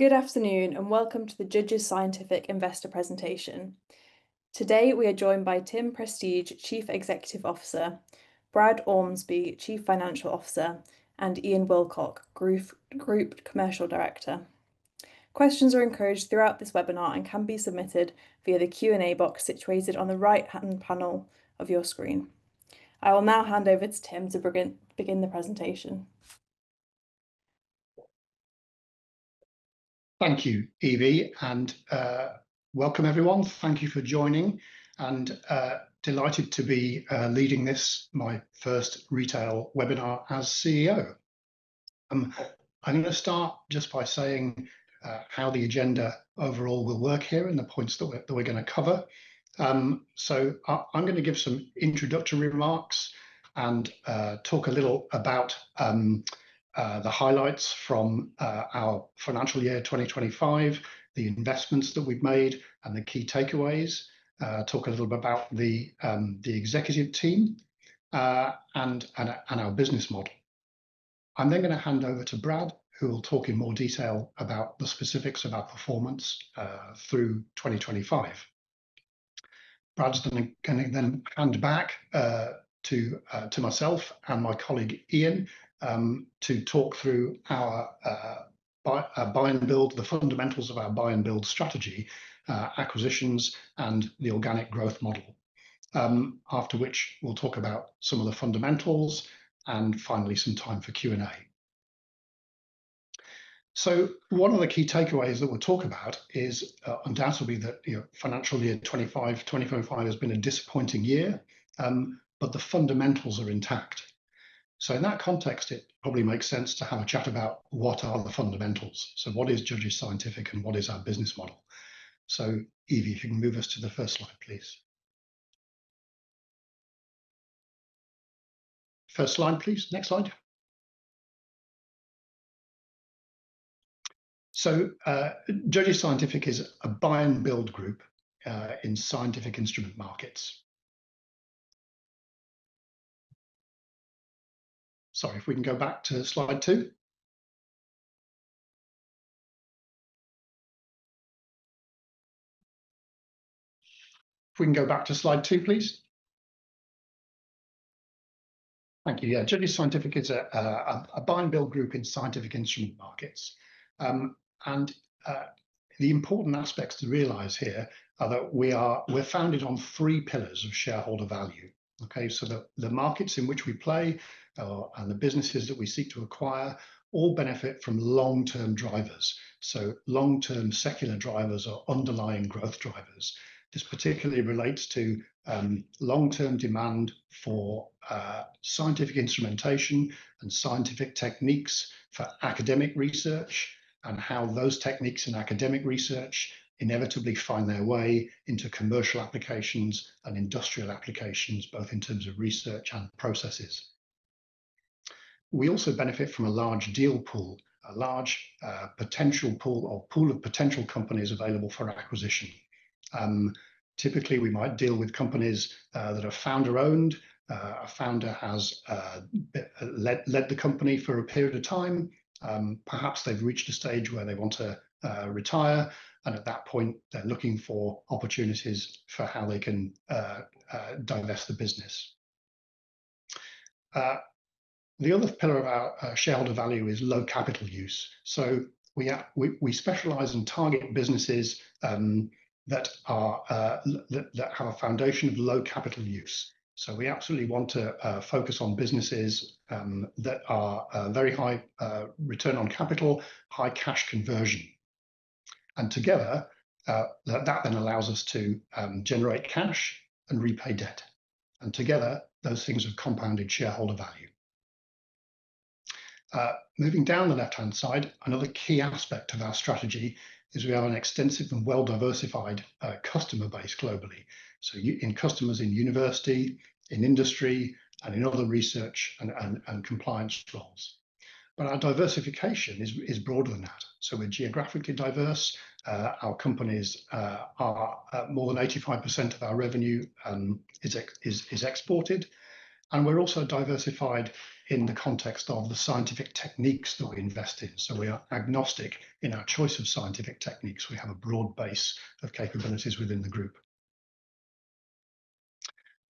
Good afternoon, and welcome to the Judges Scientific Investor Presentation. Today, we are joined by Tim Prestidge, Chief Executive Officer, Brad Ormsby, Chief Financial Officer, and Ian Wilcock, Group Commercial Director. Questions are encouraged throughout this webinar and can be submitted via the Q&A box situated on the right-hand panel of your screen. I will now hand over to Tim to begin the presentation. Thank you, Evie, and welcome everyone. Thank you for joining and delighted to be leading this, my first retail webinar as CEO. I'm gonna start just by saying how the agenda overall will work here and the points that we're gonna cover. I'm gonna give some introductory remarks and talk a little about the highlights from our financial year 2025, the investments that we've made and the key takeaways. Talk a little bit about the executive team and our business model. I'm gonna hand over to Brad, who will talk in more detail about the specifics of our performance through 2025. Brad's gonna then hand back to myself and my colleague, Ian, to talk through our buy-and-build. The fundamentals of our buy-and-build strategy, acquisitions and the organic growth model. After which we'll talk about some of the fundamentals and finally some time for Q&A. One of the key takeaways that we'll talk about is, undoubtedly that, you know, financial year 2025 has been a disappointing year, but the fundamentals are intact. In that context, it probably makes sense to have a chat about what are the fundamentals. What is Judges Scientific and what is our business model? Evie, if you can move us to the first slide, please. First slide, please. Next slide. Judges Scientific is a buy-and-build group, in scientific instrument markets. Sorry, if we can go back to slide two please. Thank you. Yeah. Judges Scientific is a buy-and-build group in scientific instrument markets. The important aspects to realize here are that we are founded on three pillars of shareholder value, okay. The markets in which we play and the businesses that we seek to acquire all benefit from long-term drivers. Long-term secular drivers are underlying growth drivers. This particularly relates to long-term demand for scientific instrumentation and scientific techniques for academic research, and how those techniques in academic research inevitably find their way into commercial applications and industrial applications, both in terms of research and processes. We also benefit from a large deal pool, a large potential pool of companies available for acquisition. Typically we might deal with companies that are founder-owned. A founder has led the company for a period of time. Perhaps they've reached a stage where they want to retire, and at that point they're looking for opportunities for how they can divest the business. The other pillar of our shareholder value is low capital use. We specialize in target businesses that have a foundation of low capital use. We absolutely want to focus on businesses that are very high return on capital, high cash conversion. Together, that then allows us to generate cash and repay debt. Together, those things have compounded shareholder value. Moving down the left-hand side, another key aspect of our strategy is we have an extensive and well-diversified customer base globally. Our customers in university, in industry, and in other research and compliance roles. Our diversification is broader than that. We're geographically diverse. Our companies are more than 85% of our revenue is exported. We're also diversified in the context of the scientific techniques that we invest in. We are agnostic in our choice of scientific techniques. We have a broad base of capabilities within the group.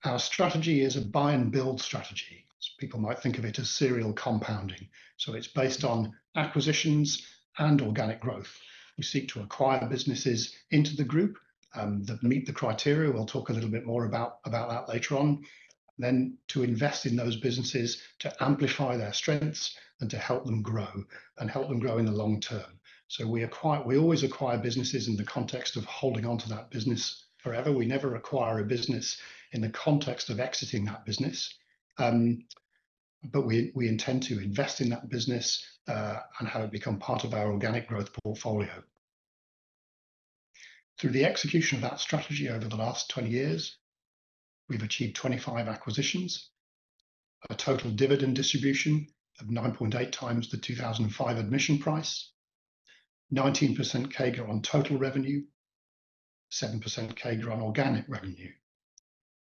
Our strategy is a buy-and-build strategy. People might think of it as serial compounding. It's based on acquisitions and organic growth. We seek to acquire businesses into the group that meet the criteria. We'll talk a little bit more about that later on. To invest in those businesses to amplify their strengths and to help them grow in the long term. We acquire businesses in the context of holding onto that business forever. We never acquire a business in the context of exiting that business. But we intend to invest in that business, and have it become part of our organic growth portfolio. Through the execution of that strategy over the last 20 years, we've achieved 25 acquisitions, a total dividend distribution of 9.8 times the 2005 admission price, 19% CAGR on total revenue, 7% CAGR on organic revenue,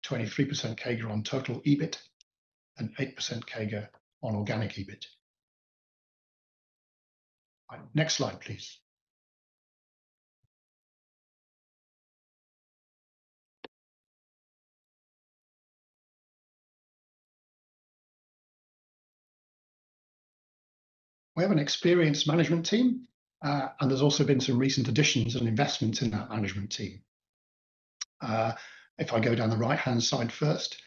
23% CAGR on total EBIT, and 8% CAGR on organic EBIT. Next slide, please. We have an experienced management team, and there's also been some recent additions and investments in that management team. If I go down the right-hand side first,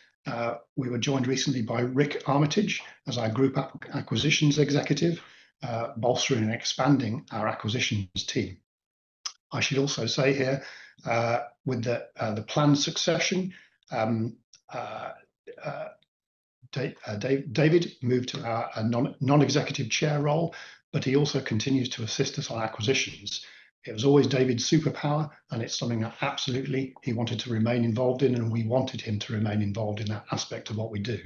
we were joined recently by Rik Armitage as our Group Acquisitions Executive, bolstering and expanding our acquisitions team. I should also say here, with the planned succession, David moved to a Non-Executive Chair role, but he also continues to assist us on acquisitions. It was always David's superpower, and it's something that absolutely he wanted to remain involved in, and we wanted him to remain involved in that aspect of what we do.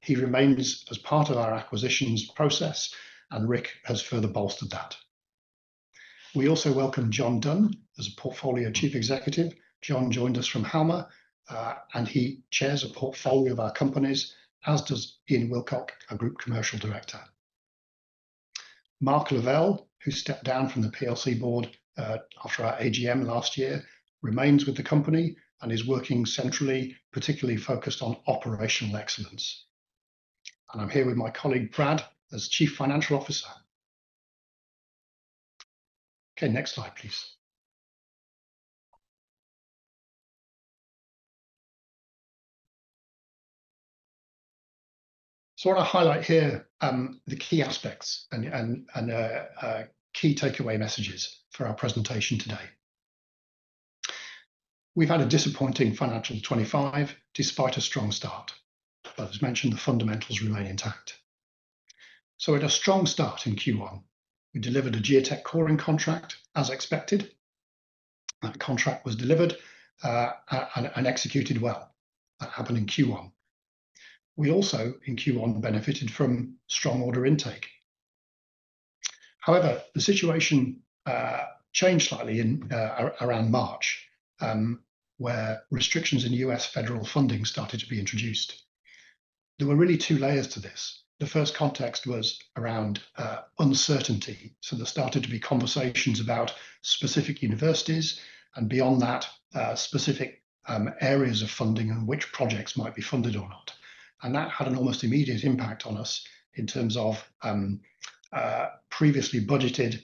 He remains as part of our acquisitions process, and Rik has further bolstered that. We also welcome John Dunne as Portfolio Chief Executive. John joined us from Halma, and he Chairs a Portfolio of our companies, as does Ian Wilcock, our Group Commercial Director. Mark Lavelle, who stepped down from the PLC board after our AGM last year, remains with the company and is working centrally, particularly focused on operational excellence. I'm here with my colleague, Brad, as Chief Financial Officer. Okay, next slide, please. I want to highlight here the key aspects and key takeaway messages for our presentation today. We've had a disappointing financial 2025, despite a strong start, but as mentioned, the fundamentals remain intact. We had a strong start in Q1. We delivered a Geotek coring contract as expected. That contract was delivered and executed well. That happened in Q1. We also, in Q1, benefited from strong order intake. However, the situation changed slightly around March, where restrictions in U.S. federal funding started to be introduced. There were really two layers to this. The first context was around uncertainty. There started to be conversations about specific universities and beyond that, specific areas of funding and which projects might be funded or not. That had an almost immediate impact on us in terms of previously budgeted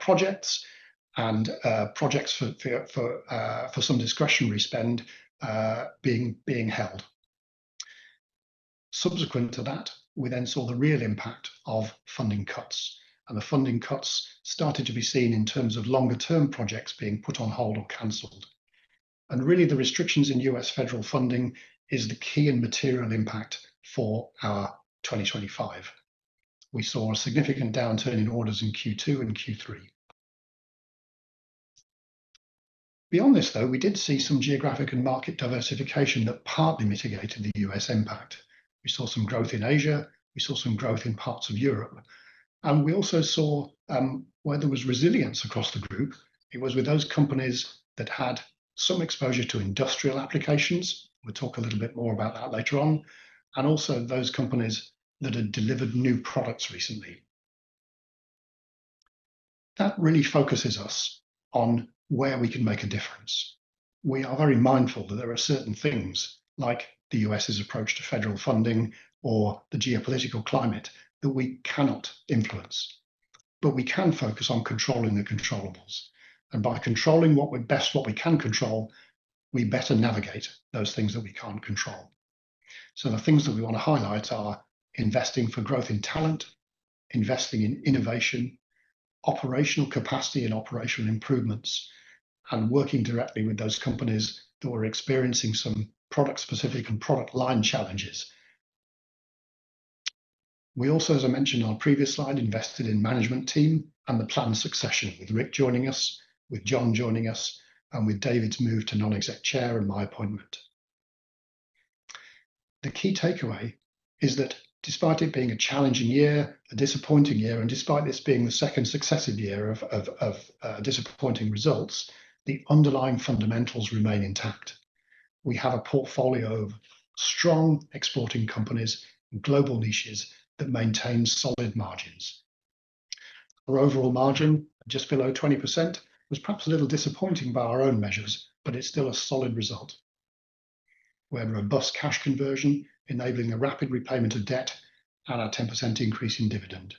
projects and projects for some discretionary spend being held. Subsequent to that, we then saw the real impact of funding cuts, and the funding cuts started to be seen in terms of longer-term projects being put on hold or canceled. Really, the restrictions in U.S. federal funding is the key and material impact for our 2025. We saw a significant downturn in orders in Q2 and Q3. Beyond this, though, we did see some geographic and market diversification that partly mitigated the U.S. impact. We saw some growth in Asia. We saw some growth in parts of Europe. We also saw where there was resilience across the group, it was with those companies that had some exposure to industrial applications. We'll talk a little bit more about that later on. Also those companies that had delivered new products recently. That really focuses us on where we can make a difference. We are very mindful that there are certain things like the U.S.'s approach to federal funding or the geopolitical climate that we cannot influence. We can focus on controlling the controllables. By controlling what we can control, we better navigate those things that we can't control. The things that we want to highlight are investing for growth in talent, investing in innovation, operational capacity and operational improvements, and working directly with those companies that were experiencing some product-specific and product line challenges. We also, as I mentioned on our previous slide, invested in management team and the planned succession with Rik joining us, with John joining us, and with David's move to Non-Exec Chair and my appointment. The key takeaway is that despite it being a challenging year, a disappointing year, and despite this being the second successive year of disappointing results, the underlying fundamentals remain intact. We have a portfolio of strong exporting companies in global niches that maintain solid margins. Our overall margin, just below 20%, was perhaps a little disappointing by our own measures, but it's still a solid result. We have robust cash conversion, enabling a rapid repayment of debt and our 10% increase in dividend.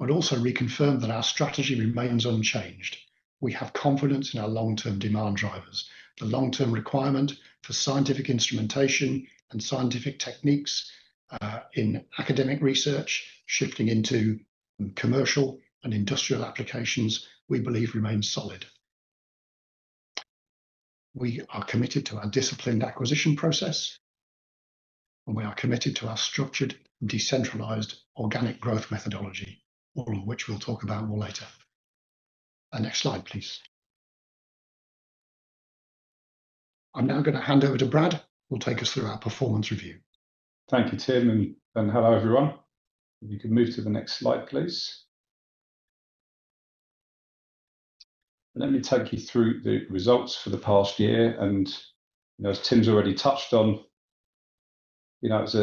I'd also reconfirm that our strategy remains unchanged. We have confidence in our long-term demand drivers. The long-term requirement for scientific instrumentation and scientific techniques, in academic research shifting into commercial and industrial applications, we believe remains solid. We are committed to our disciplined acquisition process, and we are committed to our structured, decentralized, organic growth methodology, all of which we'll talk about more later. Next slide, please. I'm now gonna hand over to Brad, who will take us through our performance review. Thank you, Tim, and hello, everyone. If you can move to the next slide, please. Let me take you through the results for the past year. You know, as Tim's already touched on, you know, it's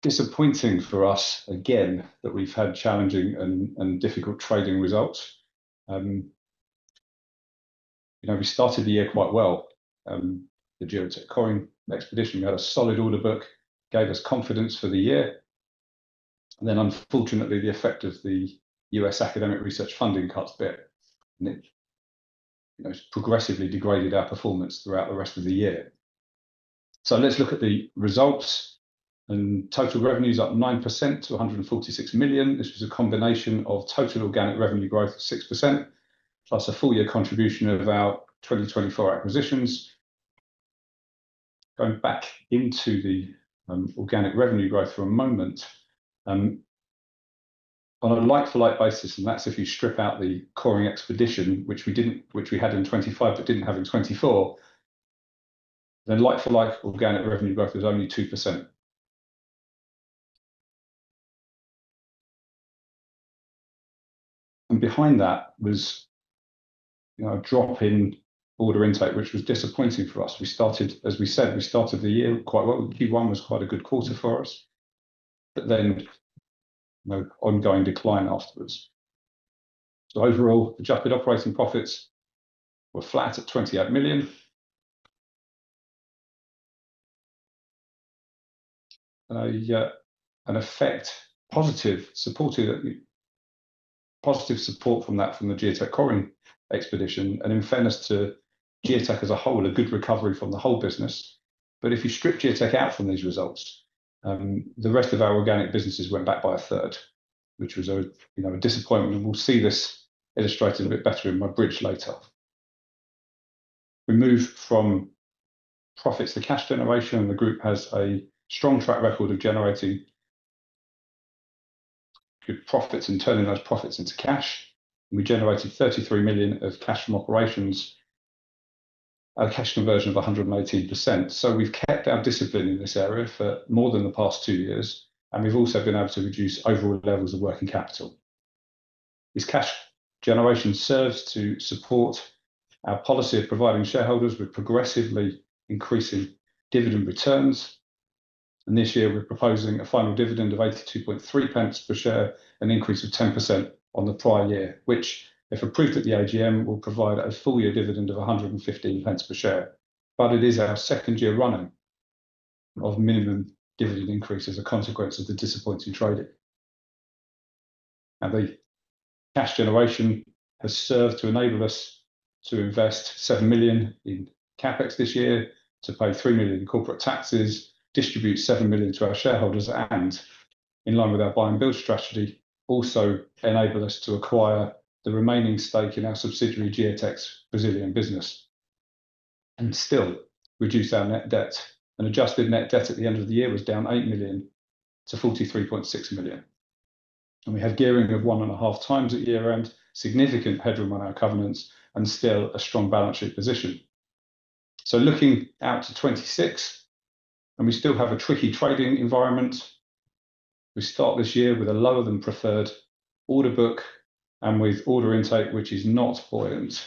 disappointing for us again, that we've had challenging and difficult trading results. You know, we started the year quite well. The Geotek coring expedition. We had a solid order book, gave us confidence for the year. Unfortunately, the effect of the U.S. academic research funding cuts bit, and it, you know, progressively degraded our performance throughout the rest of the year. Let's look at the results. Total revenue's up 9% to 146 million. This was a combination of total organic revenue growth of 6%, plus a full year contribution of our 2024 acquisitions. Going back into the organic revenue growth for a moment. On a like-for-like basis, that's if you strip out the coring expedition, which we had in 2025 but didn't have in 2024, then like-for-like organic revenue growth was only 2%. Behind that was, you know, a drop in order intake, which was disappointing for us. We started, as we said, the year quite well. Q1 was quite a good quarter for us, but then an ongoing decline afterwards. Overall, adjusted operating profits were flat at 28 million, with positive support from the Geotek coring expedition. In fairness to Geotek as a whole, a good recovery from the whole business. If you strip Geotek out from these results, the rest of our organic businesses went back by a third, which was you know a disappointment, and we'll see this illustrated a bit better in my bridge later. We move from profits to cash generation, and the group has a strong track record of generating good profits and turning those profits into cash. We generated 33 million of cash from operations at a cash conversion of 118%. We've kept our discipline in this area for more than the past two years, and we've also been able to reduce overall levels of working capital. This cash generation serves to support our policy of providing shareholders with progressively increasing dividend returns. This year, we're proposing a final dividend of 82.3 pence per share, an increase of 10% on the prior year, which, if approved at the AGM, will provide a full year dividend of 115 pence per share. It is our second year running of minimum dividend increase as a consequence of the disappointing trading. Now, the cash generation has served to enable us to invest 7 million in CapEx this year, to pay 3 million in corporate taxes, distribute 7 million to our shareholders, and in line with our buy-and-build strategy, also enable us to acquire the remaining stake in our subsidiary, Geotek's Brazilian business, and still reduce our net debt. Adjusted net debt at the end of the year was down 8 million to 43.6 million. We had gearing of 1.5 times at year-end, significant headroom on our covenants and still a strong balance sheet position. Looking out to 2026, we still have a tricky trading environment. We start this year with a lower than preferred order book and with order intake, which is not buoyant.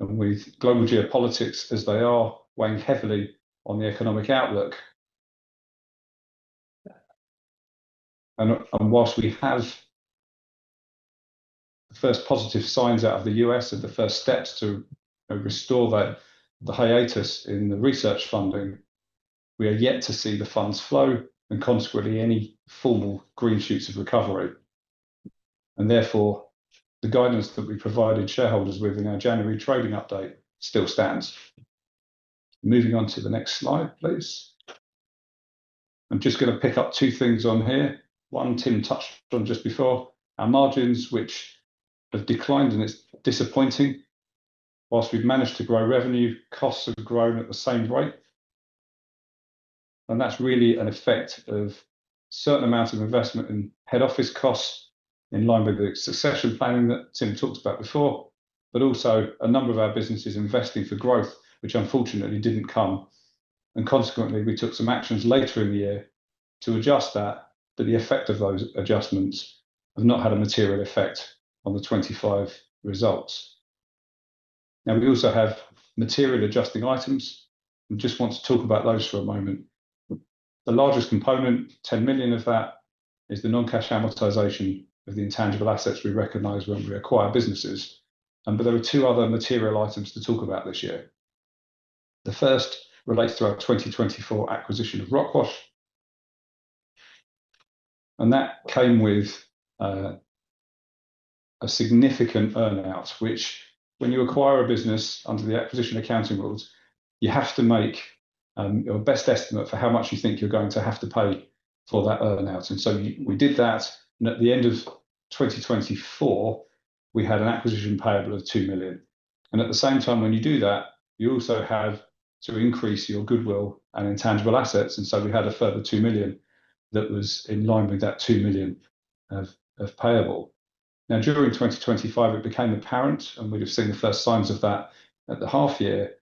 With global geopolitics as they are, weighing heavily on the economic outlook. While we have the first positive signs out of the U.S. of the first steps to restore the hiatus in the research funding, we are yet to see the funds flow and consequently any formal green shoots of recovery. Therefore, the guidance that we provided shareholders with in our January trading update still stands. Moving on to the next slide, please. I'm just gonna pick up two things on here. One, Tim touched on just before. Our margins, which have declined, and it's disappointing. While we've managed to grow revenue, costs have grown at the same rate, and that's really an effect of certain amount of investment in head office costs in line with the succession planning that Tim talked about before, but also a number of our businesses investing for growth, which unfortunately didn't come. Consequently, we took some actions later in the year to adjust that, but the effect of those adjustments have not had a material effect on the 2025 results. Now we also have material adjusting items. We just want to talk about those for a moment. The largest component, 10 million of that is the non-cash amortization of the intangible assets we recognize when we acquire businesses. But there are two other material items to talk about this year. The first relates to our 2024 acquisition of Rockwash, and that came with a significant earn-out, which when you acquire a business under the acquisition accounting rules, you have to make your best estimate for how much you think you're going to have to pay for that earn-out. We did that, and at the end of 2024, we had an acquisition payable of 2 million. At the same time, when you do that, you also have to increase your goodwill and intangible assets. We had a further 2 million that was in line with that 2 million of payable. Now, during 2025 it became apparent, and we'd have seen the first signs of that at the half year,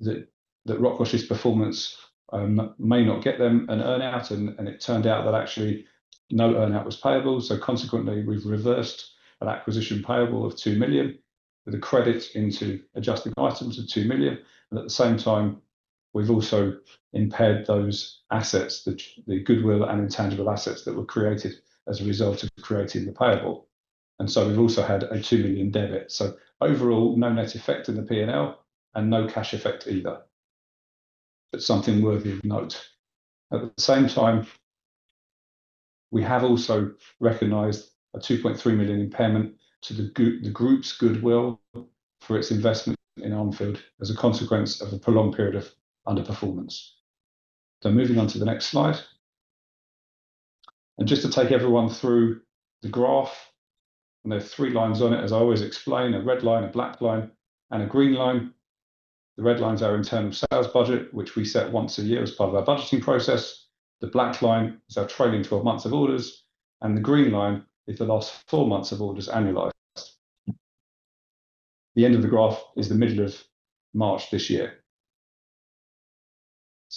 that Rockwash's performance may not get them an earn-out and it turned out that actually no earn-out was payable. Consequently, we've reversed an acquisition payable of 2 million with a credit into adjusting items of 2 million. At the same time we've also impaired those assets, the goodwill and intangible assets that were created as a result of creating the payable. We've also had a 2 million debit. Overall, no net effect in the P&L and no cash effect either. Something worthy of note. At the same time, we have also recognized a 2.3 million impairment to the group's goodwill for its investment in Armfield as a consequence of a prolonged period of underperformance. Moving on to the next slide. Just to take everyone through the graph, and there are three lines on it as I always explain, a red line, a black line, and a green line. The red line's our internal sales budget, which we set once a year as part of our budgeting process. The black line is our trailing 12 months of orders, and the green line is the last four months of orders annualized. The end of the graph is the middle of March this year.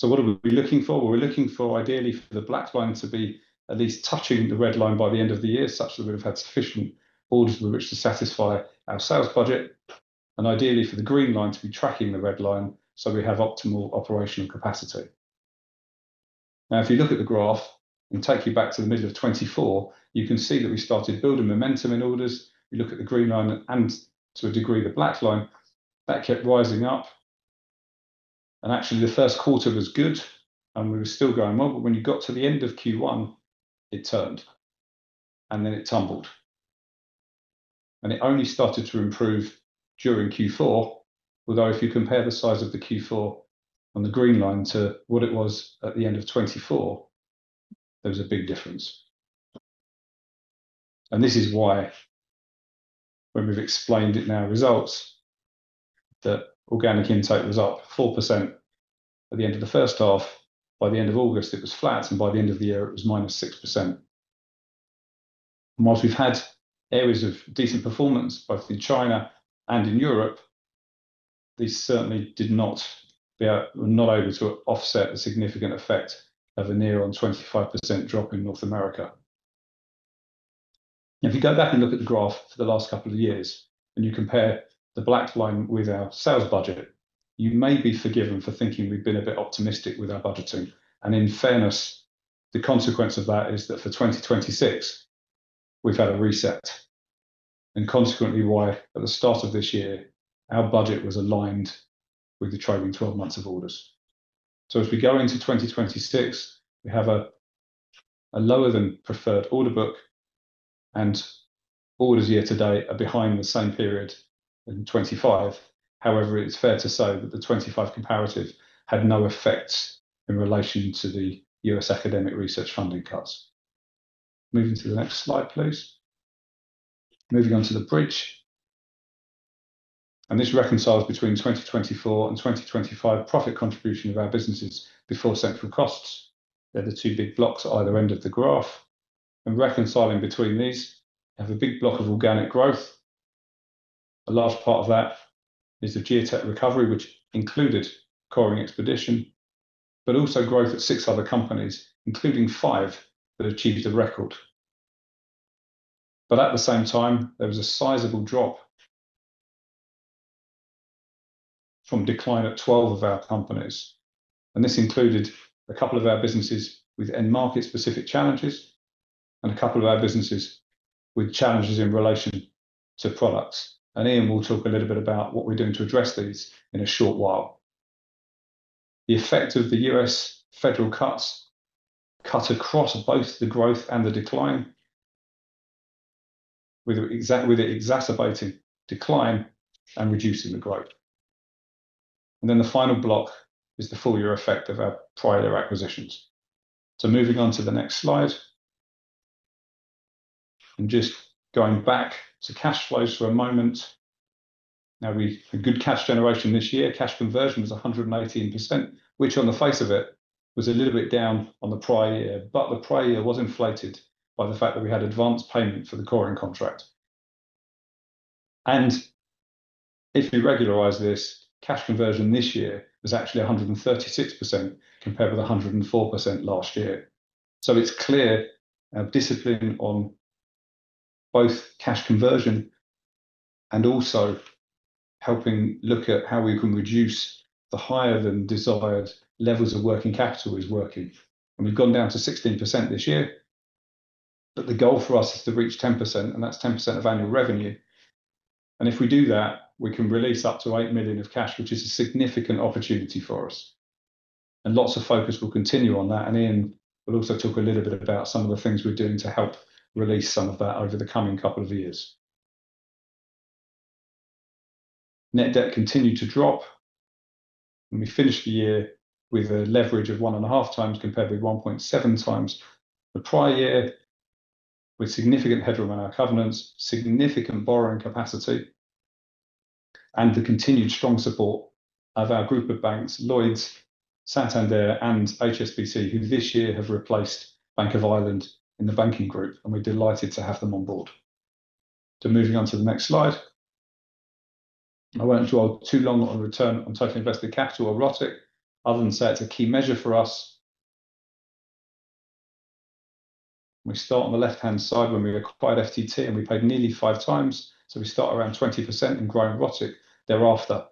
What are we looking for? Well, we're looking for ideally for the black line to be at least touching the red line by the end of the year, such that we've had sufficient orders with which to satisfy our sales budget, and ideally for the green line to be tracking the red line, so we have optimal operational capacity. Now, if you look at the graph and takes you back to the middle of 2024, you can see that we started building momentum in orders. You look at the green line and to a degree the black line that kept rising up, and actually the first quarter was good, and we were still going well. When you got to the end of Q1, it turned and then it tumbled. It only started to improve during Q4, although if you compare the size of the Q4 on the green line to what it was at the end of 2024, there was a big difference. This is why when we've explained it in our results that organic intake was up 4% at the end of the first half. By the end of August it was flat, and by the end of the year it was -6%. While we've had areas of decent performance, both in China and in Europe, this certainly, we are not able to offset the significant effect of a nearly 25% drop in North America. If you go back and look at the graph for the last couple of years, and you compare the black line with our sales budget, you may be forgiven for thinking we've been a bit optimistic with our budgeting. In fairness, the consequence of that is that for 2026, we've had a reset and consequently why at the start of this year, our budget was aligned with the trailing twelve months of orders. As we go into 2026, we have a lower than preferred order book and orders year to date are behind the same period in 2025. However, it's fair to say that the 2025 comparative had no effect in relation to the U.S. academic research funding cuts. Moving to the next slide, please. Moving on to the bridge. This reconciles between 2024 and 2025 profit contribution of our businesses before central costs. They're the two big blocks at either end of the graph. Reconciling between these, have a big block of organic growth. A large part of that is the Geotek recovery, which included Coring Expedition, but also growth at six other companies, including five that achieved a record. At the same time, there was a sizable drop from decline at 12 of our companies, and this included a couple of our businesses with end market-specific challenges and a couple of our businesses with challenges in relation to products. Ian will talk a little bit about what we're doing to address these in a short while. The effect of the U.S. federal cuts cut across both the growth and the decline with it exacerbating decline and reducing the growth. The final block is the full year effect of our prior acquisitions. Moving on to the next slide. Just going back to cash flows for a moment. Now a good cash generation this year. Cash conversion was 118%, which on the face of it was a little bit down on the prior year, but the prior year was inflated by the fact that we had advanced payment for the coring contract. If we regularize this, cash conversion this year was actually 136% compared with 104% last year. It's clear our discipline on both cash conversion and also helping look at how we can reduce the higher than desired levels of working capital is working. We've gone down to 16% this year, but the goal for us is to reach 10%, and that's 10% of annual revenue. If we do that, we can release up to 8 million of cash, which is a significant opportunity for us. Lots of focus will continue on that, and Ian will also talk a little bit about some of the things we're doing to help release some of that over the coming couple of years. Net debt continued to drop, and we finished the year with a leverage of 1.5x, compared with 1.7x the prior year, with significant headroom in our covenants, significant borrowing capacity. The continued strong support of our group of banks, Lloyds, Santander and HSBC, who this year have replaced Bank of Ireland in the banking group, and we're delighted to have them on board. Moving on to the next slide. I won't dwell too long on return on total invested capital or ROTIC other than say it's a key measure for us. We start on the left-hand side when we acquired FTT, and we paid nearly 5x, so we start around 20% and growing ROTIC thereafter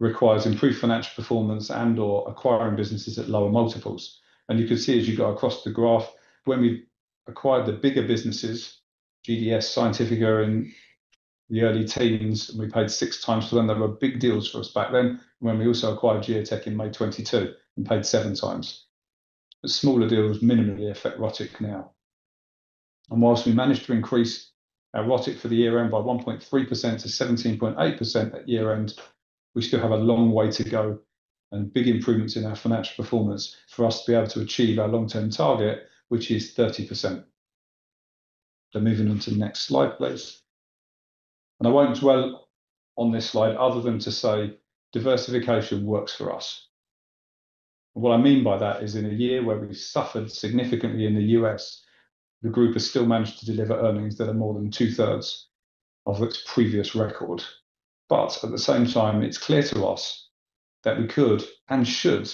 requires improved financial performance and/or acquiring businesses at lower multiples. You can see as you go across the graph when we acquired the bigger businesses, GDS Instruments in the early teens, and we paid 6x for them. They were big deals for us back then, when we also acquired Geotek in May 2022 and paid 7x. The smaller deals minimally affect ROTIC now. While we managed to increase our ROTIC for the year-end by 1.3% to 17.8% at year-end, we still have a long way to go and big improvements in our financial performance for us to be able to achieve our long-term target, which is 30%. Moving on to the next slide, please. I won't dwell on this slide other than to say diversification works for us. What I mean by that is in a year where we suffered significantly in the U.S., the group has still managed to deliver earnings that are more than two-thirds of its previous record. At the same time, it's clear to us that we could and should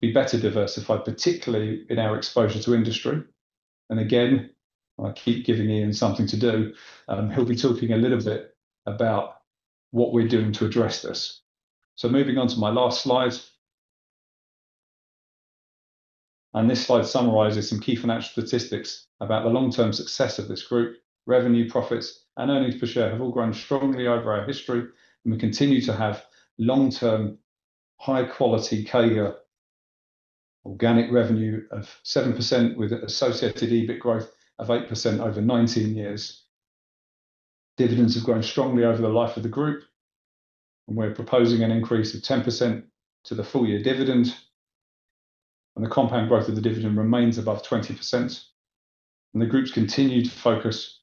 be better diversified, particularly in our exposure to industry. Again, I keep giving Ian something to do, he'll be talking a little bit about what we're doing to address this. Moving on to my last slide. This slide summarizes some key financial statistics about the long-term success of this group. Revenue, profits, and earnings per share have all grown strongly over our history, and we continue to have long-term, high-quality CAGR organic revenue of 7% with associated EBIT growth of 8% over 19 years. Dividends have grown strongly over the life of the group, and we're proposing an increase of 10% to the full year dividend. The compound growth of the dividend remains above 20%. The group's continued focus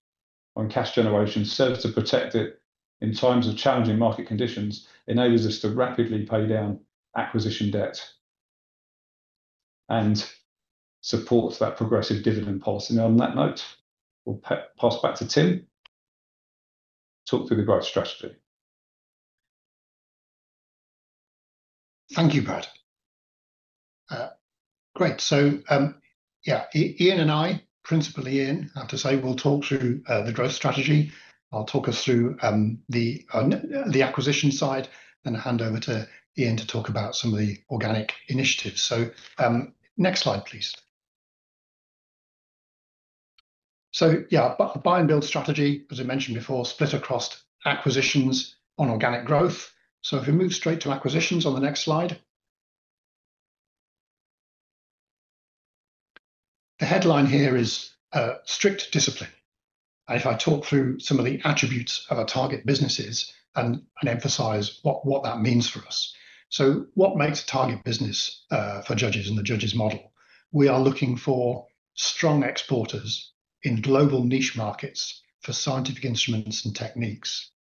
on cash generation serves to protect it in times of challenging market conditions, enables us to rapidly pay down acquisition debt, and supports that progressive dividend policy. Now on that note, we'll pass back to Tim to talk through the growth strategy. Thank you, Brad. Ian and I, principally Ian, have to say we'll talk through the growth strategy. I'll talk us through the acquisition side and hand over to Ian to talk about some of the organic initiatives. Next slide, please. Buy-and-build strategy, as I mentioned before, split across acquisitions and organic growth. If we move straight to acquisitions on the next slide. The headline here is strict discipline. I'll talk through some of the attributes of our target businesses and emphasize what that means for us. What makes a target business for Judges in the Judges model? We are looking for strong exporters in global niche markets for scientific instruments and techniques.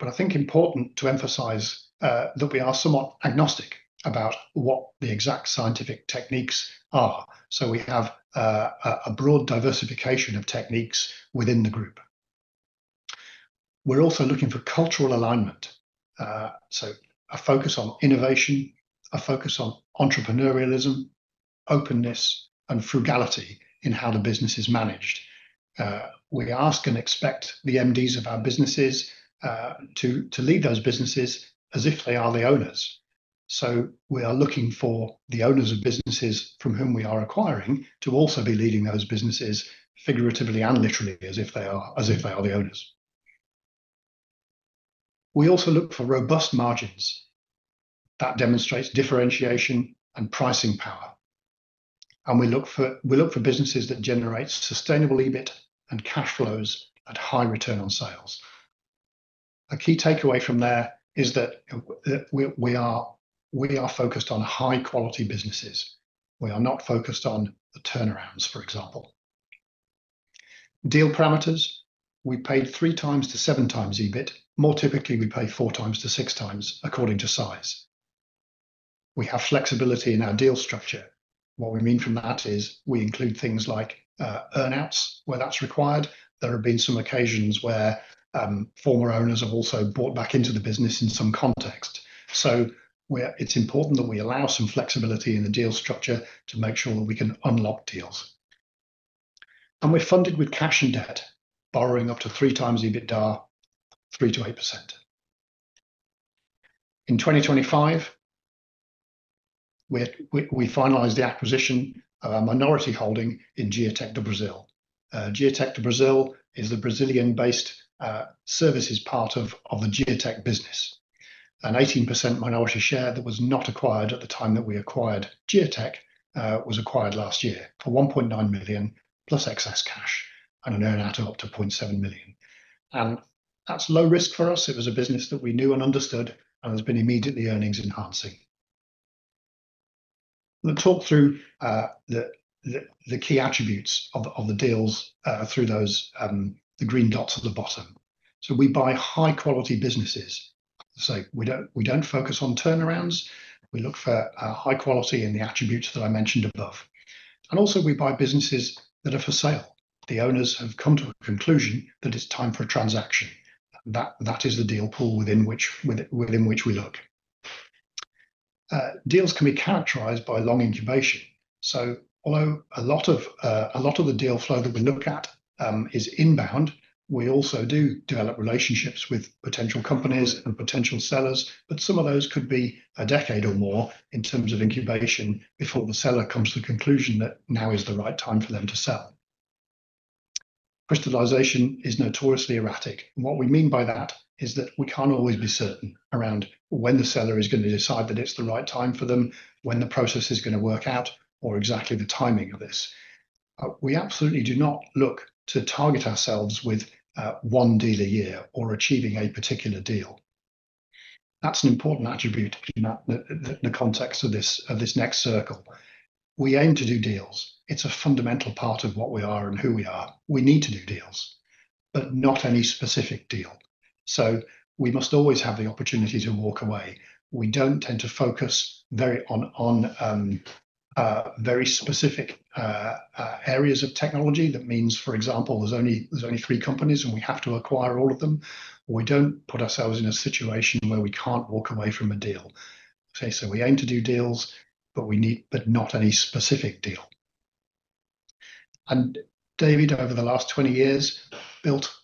I think important to emphasize that we are somewhat agnostic about what the exact scientific techniques are. We have a broad diversification of techniques within the group. We're also looking for cultural alignment, a focus on innovation, a focus on entrepreneurialism, openness, and frugality in how the business is managed. We ask and expect the MDs of our businesses to lead those businesses as if they are the owners. We are looking for the owners of businesses from whom we are acquiring to also be leading those businesses figuratively and literally as if they are the owners. We also look for robust margins that demonstrates differentiation and pricing power. We look for businesses that generate sustainable EBIT and cash flows at high return on sales. A key takeaway from there is that we are focused on high quality businesses. We are not focused on the turnarounds, for example. Deal parameters. We paid 3x to 7x EBIT. More typically, we pay 4x to 6x according to size. We have flexibility in our deal structure. What we mean from that is we include things like earn-outs where that's required. There have been some occasions where former owners have also bought back into the business in some context. It's important that we allow some flexibility in the deal structure to make sure that we can unlock deals. We're funded with cash and debt, borrowing up to 3x EBITDA, 3%-8%. In 2025, we finalized the acquisition of a minority holding in Geotek do Brasil. Geotek do Brasil is the Brazilian-based services part of the Geotek business. An 18% minority share that was not acquired at the time that we acquired Geotek was acquired last year for 1.9 million plus excess cash and an earn-out of up to 0.7 million. That's low risk for us. It was a business that we knew and understood, and has been immediately earnings enhancing. Let's talk through the key attributes of the deals through those green dots at the bottom. We buy high-quality businesses. We don't focus on turnarounds. We look for high quality in the attributes that I mentioned above. We buy businesses that are for sale. The owners have come to a conclusion that it's time for a transaction. That is the deal pool within which we look. Deals can be characterized by long incubation. Although a lot of the deal flow that we look at is inbound, we also do develop relationships with potential companies and potential sellers. Some of those could be a decade or more in terms of incubation before the seller comes to the conclusion that now is the right time for them to sell. Crystallization is notoriously erratic. What we mean by that is that we can't always be certain around when the seller is gonna decide that it's the right time for them, when the process is gonna work out, or exactly the timing of this. We absolutely do not look to target ourselves with one deal a year or achieving a particular deal. That's an important attribute in that context of this next circle. We aim to do deals. It's a fundamental part of what we are and who we are. We need to do deals, but not any specific deal. We must always have the opportunity to walk away. We don't tend to focus very on very specific areas of technology. That means, for example, there's only three companies, and we have to acquire all of them. We don't put ourselves in a situation where we can't walk away from a deal. Okay. We aim to do deals, but not any specific deal. David, over the last 20 years, built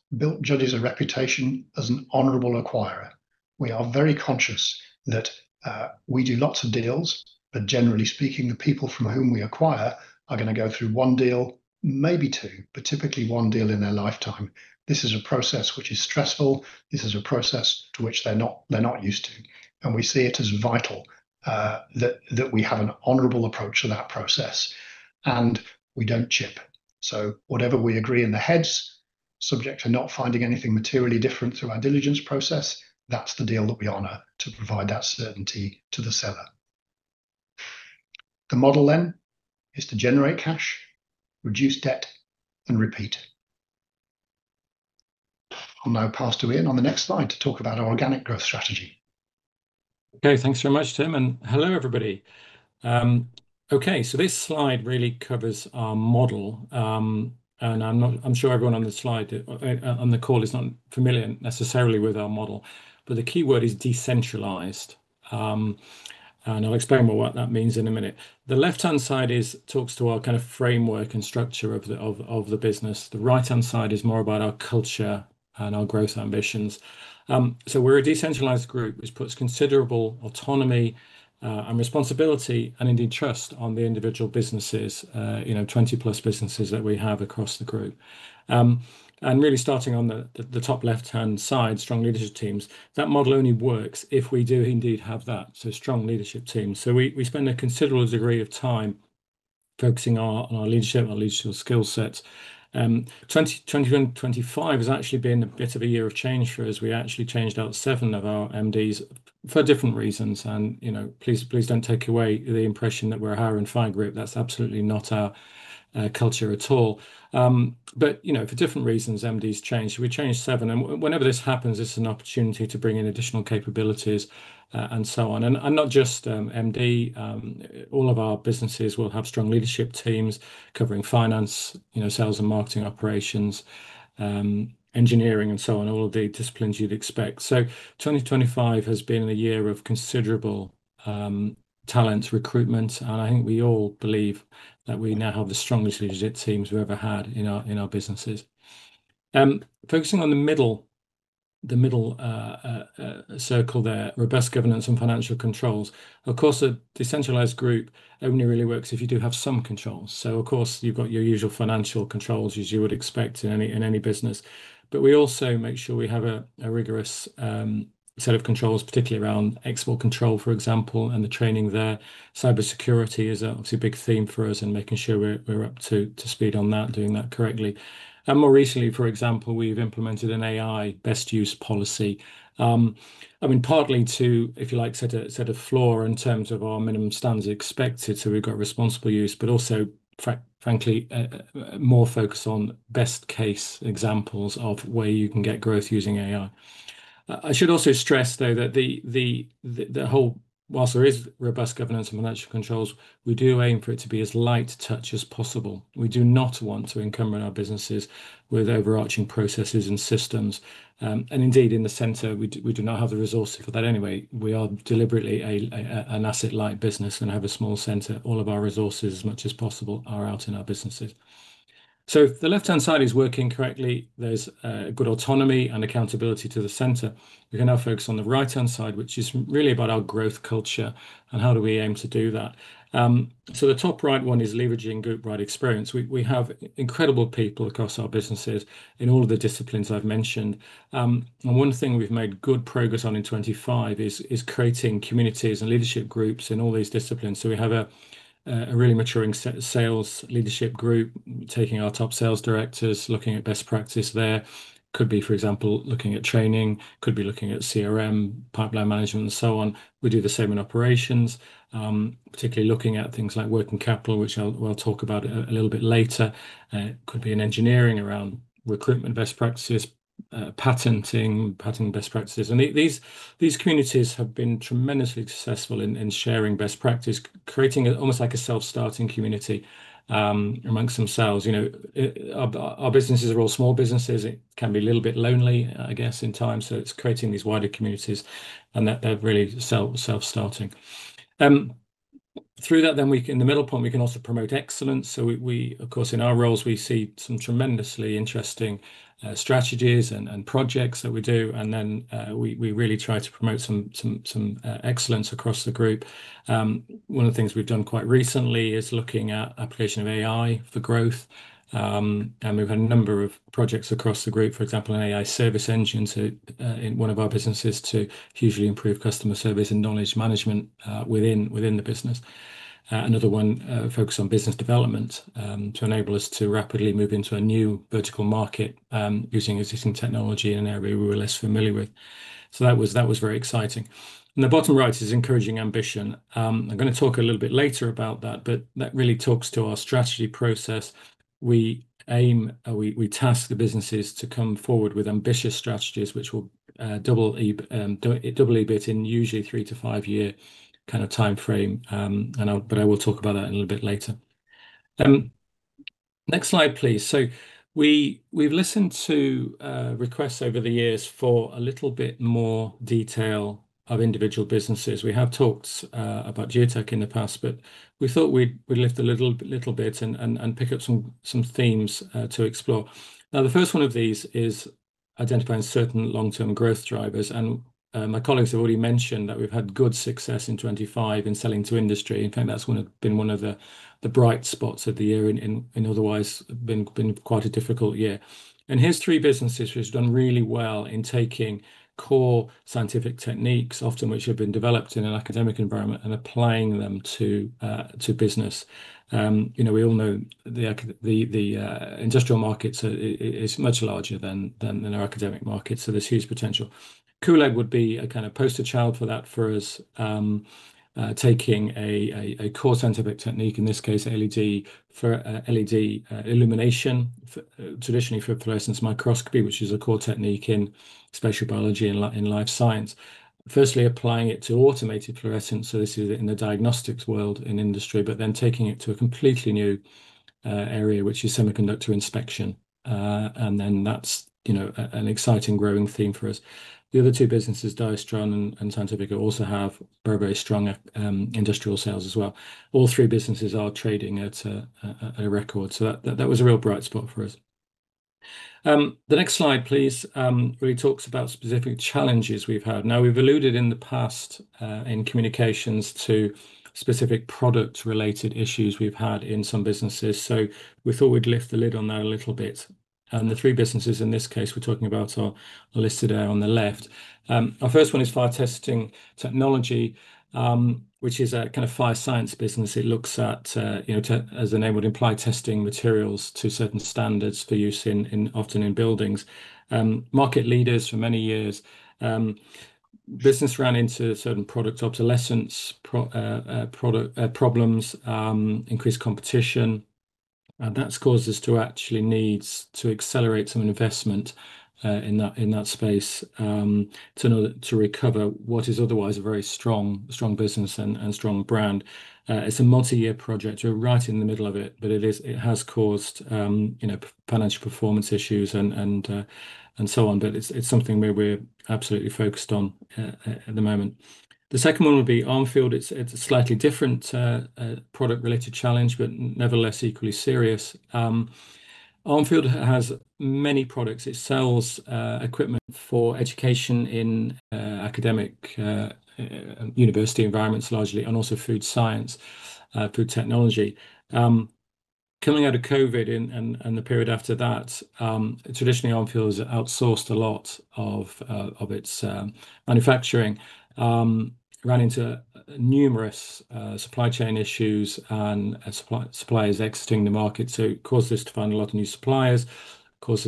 Judges a reputation as an honorable acquirer. We are very conscious that we do lots of deals. Generally speaking, the people from whom we acquire are gonna go through one deal, maybe two, but typically one deal in their lifetime. This is a process which is stressful. This is a process to which they're not used to, and we see it as vital that we have an honorable approach to that process, and we don't chip. So whatever we agree in the heads, subject to not finding anything materially different through our diligence process, that's the deal that we honor to provide that certainty to the seller. The model then is to generate cash, reduce debt, and repeat. I'll now pass to Ian on the next slide to talk about our organic growth strategy. Okay. Thanks very much, Tim, and hello, everybody. This slide really covers our model. I'm sure everyone on the slide, on the call is not familiar necessarily with our model, but the key word is decentralized. I'll explain more what that means in a minute. The left-hand side talks to our kind of framework and structure of the business. The right-hand side is more about our culture and our growth ambitions. We're a decentralized group, which puts considerable autonomy, and responsibility and indeed trust on the individual businesses, you know, 20+ businesses that we have across the group. Really starting on the top left-hand side, strong leadership teams. That model only works if we do indeed have that, strong leadership teams. We spend a considerable degree of time focusing on our leadership, on leadership skill sets. 2025 has actually been a bit of a year of change for us. We actually changed out seven of our MDs for different reasons. You know, please don't take away the impression that we're a hire-and-fire group. That's absolutely not our culture at all. You know, for different reasons, MDs change. We changed seven. Whenever this happens, it's an opportunity to bring in additional capabilities and so on. Not just MD. All of our businesses will have strong leadership teams covering finance, you know, sales and marketing operations, engineering and so on, all of the disciplines you'd expect. 2025 has been a year of considerable talent recruitment, and I think we all believe that we now have the strongest leadership teams we've ever had in our businesses, focusing on the middle circle there, robust governance and financial controls. Of course, a decentralized group only really works if you do have some controls. Of course, you've got your usual financial controls as you would expect in any business. But we also make sure we have a rigorous set of controls, particularly around export control, for example, and the training there. Cybersecurity is obviously a big theme for us and making sure we're up to speed on that, doing that correctly. More recently, for example, we've implemented an AI best use policy. I mean, partly to, if you like, set a floor in terms of our minimum standards expected, so we've got responsible use, but also frankly, more focus on best case examples of where you can get growth using AI. I should also stress, though, that the whole whilst there is robust governance and financial controls, we do aim for it to be as light touch as possible. We do not want to encumber our businesses with overarching processes and systems. And indeed, in the center, we do not have the resources for that anyway. We are deliberately an asset-light business and have a small center. All of our resources, as much as possible, are out in our businesses. So if the left-hand side is working correctly, there's good autonomy and accountability to the center. We can now focus on the right-hand side, which is really about our growth culture and how do we aim to do that. The top right one is leveraging groupwide experience. We have incredible people across our businesses in all of the disciplines I've mentioned. One thing we've made good progress on in 2025 is creating communities and leadership groups in all these disciplines. We have a really maturing sales leadership group, taking our top sales directors, looking at best practice there. Could be, for example, looking at training. Could be looking at CRM, pipeline management and so on. We do the same in operations, particularly looking at things like working capital, which I'll talk about a little bit later. Could be in engineering around recruitment best practices, patenting, patent best practices. These communities have been tremendously successful in sharing best practice, creating almost like a self-starting community among themselves. Our businesses are all small businesses. It can be a little bit lonely, I guess, at times. It's creating these wider communities, and that they're really self-starting. Through that we can, in the middle point, also promote excellence. We of course, in our roles, see some tremendously interesting strategies and projects that we do. Then we really try to promote some excellence across the group. One of the things we've done quite recently is looking at application of AI for growth. We've had a number of projects across the group, for example, an AI service engine to, in one of our businesses to hugely improve customer service and knowledge management, within the business. Another one, focused on business development, to enable us to rapidly move into a new vertical market, using existing technology in an area we were less familiar with. That was very exciting. The bottom right is encouraging ambition. I'm gonna talk a little bit later about that, but that really talks to our strategy process. We aim, we task the businesses to come forward with ambitious strategies, which will, double EBIT in usually three-five year kind of timeframe. I will talk about that a little bit later. Next slide please. We've listened to requests over the years for a little bit more detail of individual businesses. We have talked about Geotek in the past, but we thought we'd lift a little bit and pick up some themes to explore. Now, the first one of these is identifying certain long-term growth drivers. My colleagues have already mentioned that we've had good success in 25 in selling to industry. In fact, that's one of the bright spots of the year in an otherwise been quite a difficult year. Here's three businesses who've done really well in taking core scientific techniques, often which have been developed in an academic environment, and applying them to business. You know, we all know the industrial markets are much larger than our academic market. There's huge potential. CoolLED would be a kind of poster child for that for us, taking a core scientific technique, in this case, LED illumination traditionally for fluorescence microscopy, which is a core technique in spatial biology, in life science. Firstly, applying it to automated fluorescence, so this is in the diagnostics world in industry, but then taking it to a completely new area, which is semiconductor inspection. That's, you know, an exciting growing theme for us. The other two businesses, Dia-Stron and Scientifica, also have very strong industrial sales as well. All three businesses are trading at a record. That was a real bright spot for us. The next slide, please, really talks about specific challenges we've had. Now, we've alluded in the past in communications to specific product-related issues we've had in some businesses. We thought we'd lift the lid on that a little bit. The three businesses in this case we're talking about are listed on the left. Our first one is Fire Testing Technology, which is a kind of fire science business. It looks at, you know, as the name would imply, testing materials to certain standards for use in, often in buildings. Market leaders for many years, business ran into certain product obsolescence, product problems, increased competition. That's caused us to actually need to accelerate some investment in that space to recover what is otherwise a very strong business and strong brand. It's a multi-year project. We're right in the middle of it, but it has caused you know, financial performance issues and so on. But it's something we're absolutely focused on at the moment. The second one would be Armfield. It's a slightly different product-related challenge, but nevertheless, equally serious. Armfield has many products. It sells equipment for education in academic university environments largely, and also food science food technology. Coming out of COVID and the period after that, traditionally Armfield's outsourced a lot of its manufacturing, ran into numerous supply chain issues and suppliers exiting the market. It caused us to find a lot of new suppliers and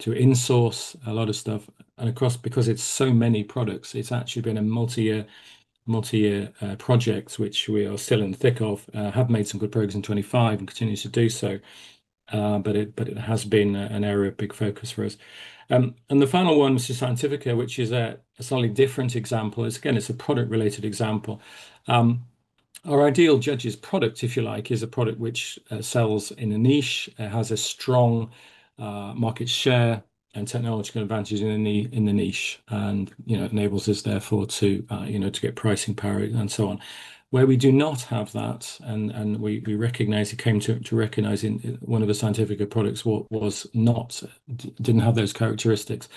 to insource a lot of stuff. Of course, because it's so many products, it's actually been a multi-year project, which we are still in the thick of, have made some good progress in 2025 and continue to do so. It has been an area of big focus for us. The final one was to Scientifica, which is a slightly different example. It's again a product-related example. Our ideal Judges product, if you like, is a product which sells in a niche. It has a strong market share and technological advantage in the niche, and you know, enables us therefore to you know, to get pricing power and so on. Where we do not have that, and we recognize it, came to recognizing one of the Scientifica products did not have those characteristics.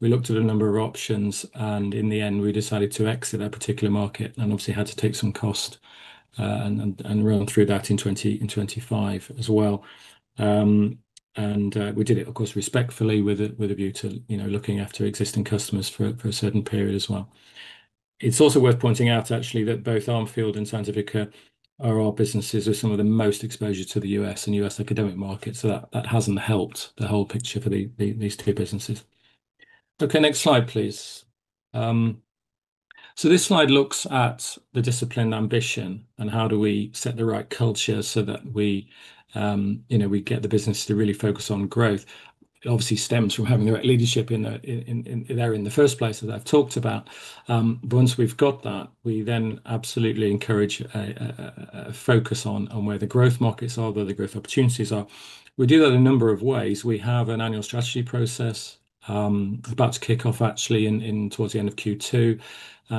We looked at a number of options, and in the end, we decided to exit that particular market and obviously had to take some cost and run through that in 2025 as well. We did it, of course, respectfully with a view to you know, looking after existing customers for a certain period as well. It's also worth pointing out actually that both Armfield and Scientifica are our businesses with some of the most exposure to the U.S. and U.S. academic market, so that hasn't helped the whole picture for these two businesses. Okay, next slide, please. This slide looks at the disciplined ambition and how do we set the right culture so that we, you know, we get the business to really focus on growth. It obviously stems from having the right leadership in there in the first place that I've talked about. Once we've got that, we then absolutely encourage a focus on where the growth markets are, where the growth opportunities are. We do that a number of ways. We have an annual strategy process, about to kick off actually in towards the end of Q2.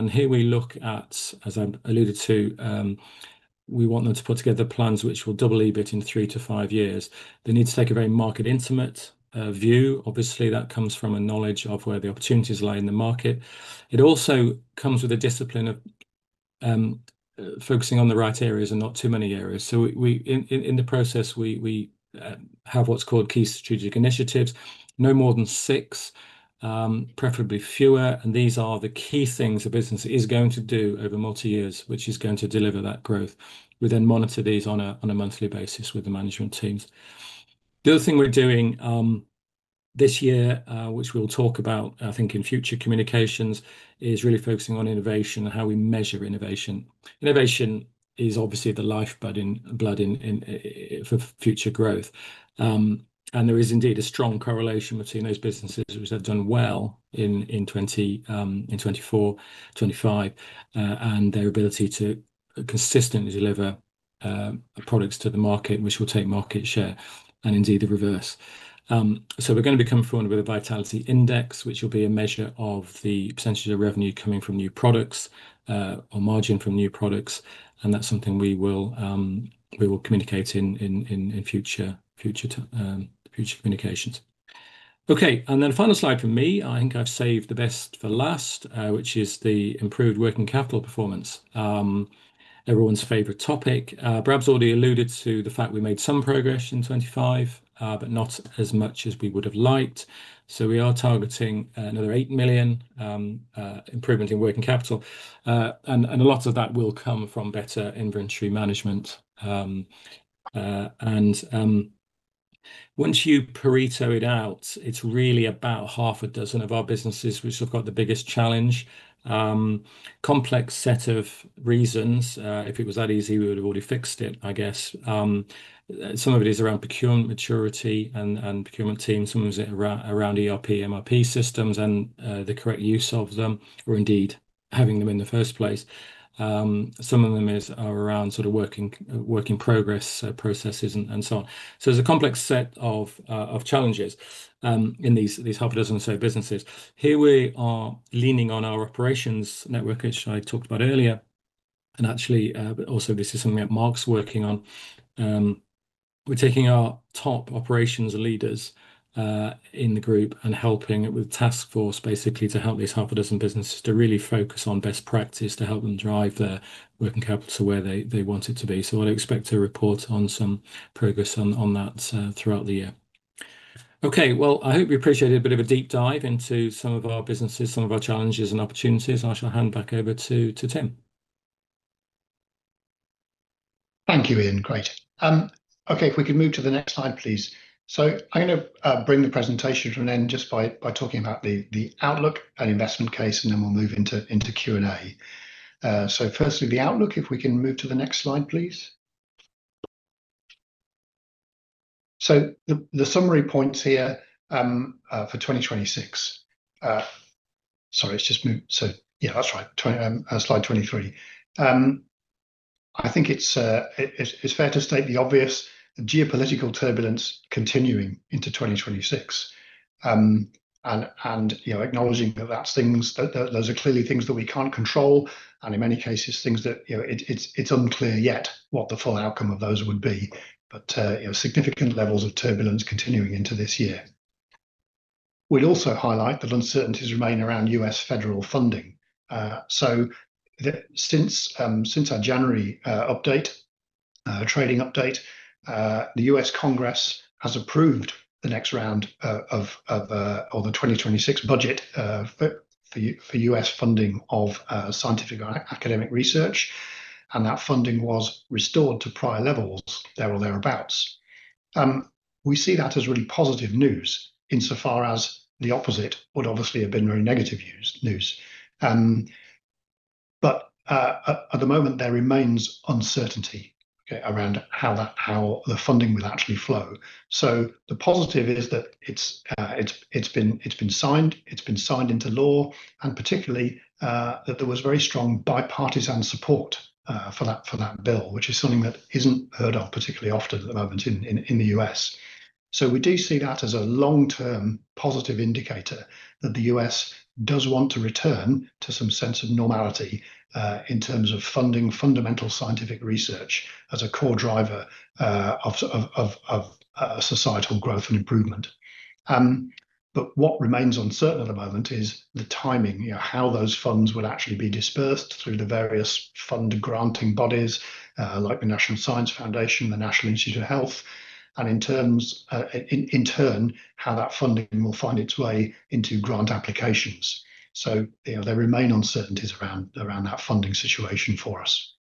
Here we look at, as I alluded to, we want them to put together plans which will double EBIT in three-five years. They need to take a very market intimate view. Obviously, that comes from a knowledge of where the opportunities lie in the market. It also comes with a discipline of focusing on the right areas and not too many areas. In the process, we have what's called key strategic initiatives, no more than six, preferably fewer. These are the key things the business is going to do over multi years, which is going to deliver that growth. We then monitor these on a monthly basis with the management teams. The other thing we're doing this year, which we'll talk about, I think, in future communications, is really focusing on innovation and how we measure innovation. Innovation is obviously the lifeblood in for future growth. There is indeed a strong correlation between those businesses which have done well in 2024, 2025, and their ability to consistently deliver products to the market which will take market share, and indeed the reverse. We're gonna be coming forward with a Vitality Index, which will be a measure of the percentage of revenue coming from new products or margin from new products, and that's something we will communicate in future communications. Okay. Final slide from me. I think I've saved the best for last, which is the improved working capital performance, everyone's favorite topic. Brabs already alluded to the fact we made some progress in 25, but not as much as we would have liked. We are targeting another 8 million improvement in working capital. A lot of that will come from better inventory management. Once you Pareto it out, it's really about half a dozen of our businesses which have got the biggest challenge. Complex set of reasons. If it was that easy, we would have already fixed it, I guess. Some of it is around procurement maturity and procurement team. Some of it's around ERP, MRP systems and the correct use of them, or indeed having them in the first place. Some of them are around sort of work in progress, processes and so on. There's a complex set of challenges in these half a dozen or so businesses. Here we are leaning on our operations network, which I talked about earlier. Actually, this is something that Mark's working on. We're taking our top operations leaders in the group and helping with task force basically to help these half a dozen businesses to really focus on best practice to help them drive their working capital to where they want it to be. I'd expect to report on some progress on that throughout the year. Okay, well, I hope you appreciate a bit of a deep dive into some of our businesses, some of our challenges and opportunities. I shall hand back over to Tim. Thank you, Ian. Great. Okay, if we could move to the next slide, please. I'm gonna bring the presentation to an end just by talking about the outlook and investment case, and then we'll move into Q&A. Firstly, the outlook, if we can move to the next slide, please. The summary points here for 2026. Sorry, it's just moved. Yeah, that's right. Slide 23. I think it's fair to state the obvious geopolitical turbulence continuing into 2026. You know, acknowledging that those are clearly things that we can't control, and in many cases, things that you know, it's unclear yet what the full outcome of those would be. You know, significant levels of turbulence continuing into this year. We'd also highlight that uncertainties remain around U.S. federal funding. Since our January trading update, the U.S. Congress has approved the next round or the 2026 budget for U.S. funding of scientific or academic research. That funding was restored to prior levels, there or thereabouts. We see that as really positive news insofar as the opposite would obviously have been very negative news. At the moment, there remains uncertainty around how the funding will actually flow. The positive is that it's been signed into law, and particularly that there was very strong bipartisan support for that bill, which is something that isn't heard of particularly often at the moment in the U.S. We do see that as a long-term positive indicator that the U.S. does want to return to some sense of normality in terms of funding fundamental scientific research as a core driver of societal growth and improvement. What remains uncertain at the moment is the timing, you know, how those funds will actually be dispersed through the various fund granting bodies like the National Science Foundation, the National Institutes of Health, and in turn, how that funding will find its way into grant applications. You know, there remain uncertainties around that funding situation for us.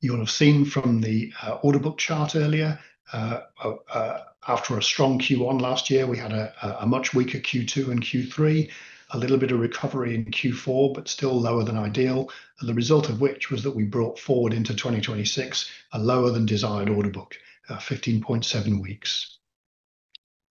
You'll have seen from the order book chart earlier, after a strong Q1 last year, we had a much weaker Q2 and Q3. A little bit of recovery in Q4, but still lower than ideal. The result of which was that we brought forward into 2026 a lower than desired order book, 15.7 weeks.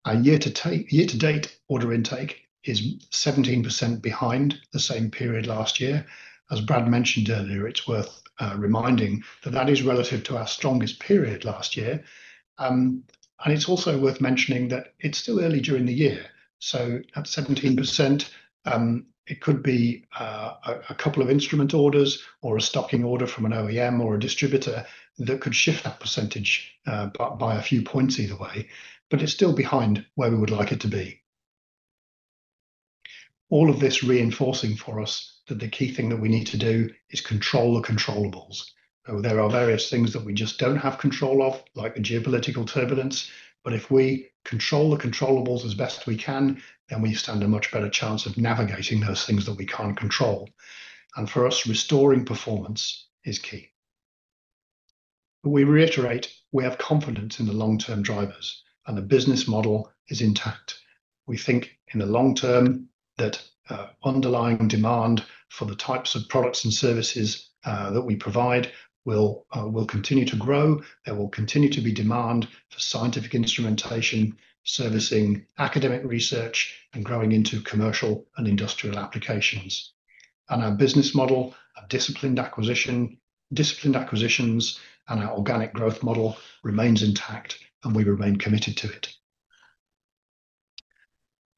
Our year to date order intake is 17% behind the same period last year. As Brad mentioned earlier, it's worth reminding that that is relative to our strongest period last year. It's also worth mentioning that it's still early during the year. At 17%, it could be a couple of instrument orders or a stocking order from an OEM or a distributor that could shift that percentage by a few points either way. But it's still behind where we would like it to be. All of this reinforcing for us that the key thing that we need to do is control the controllables. There are various things that we just don't have control of, like the geopolitical turbulence, but if we control the controllables as best we can, then we stand a much better chance of navigating those things that we can't control. For us, restoring performance is key. We reiterate, we have confidence in the long-term drivers, and the business model is intact. We think in the long term that underlying demand for the types of products and services that we provide will continue to grow. There will continue to be demand for scientific instrumentation, servicing academic research and growing into commercial and industrial applications. Our business model, our disciplined acquisitions and our organic growth model remains intact, and we remain committed to it.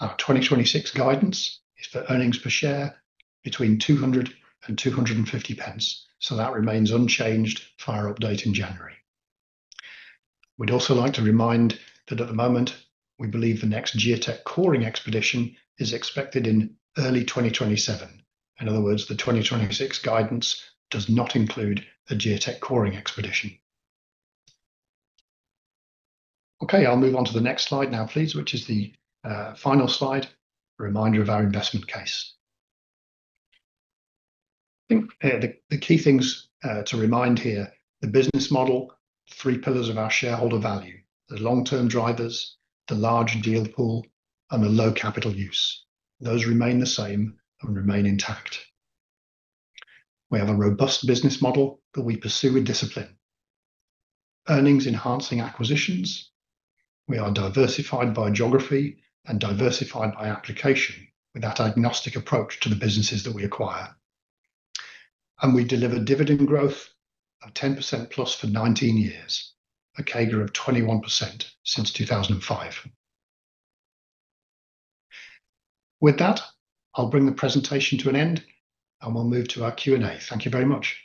Our 2026 guidance is for earnings per share between 200 and 250 pence, so that remains unchanged for our update in January. We'd also like to remind that at the moment, we believe the next Geotek coring expedition is expected in early 2027. In other words, the 2026 guidance does not include a Geotek coring expedition. Okay, I'll move on to the next slide now, please, which is the final slide, a reminder of our investment case. I think the key things to remind here, the business model, three pillars of our shareholder value, the long-term drivers, the large deal pool and the low capital use. Those remain the same and remain intact. We have a robust business model that we pursue with discipline. Earnings enhancing acquisitions. We are diversified by geography and diversified by application with that agnostic approach to the businesses that we acquire. We deliver dividend growth of 10%+ for 19 years, a CAGR of 21% since 2005. With that, I'll bring the presentation to an end, and we'll move to our Q&A. Thank you very much.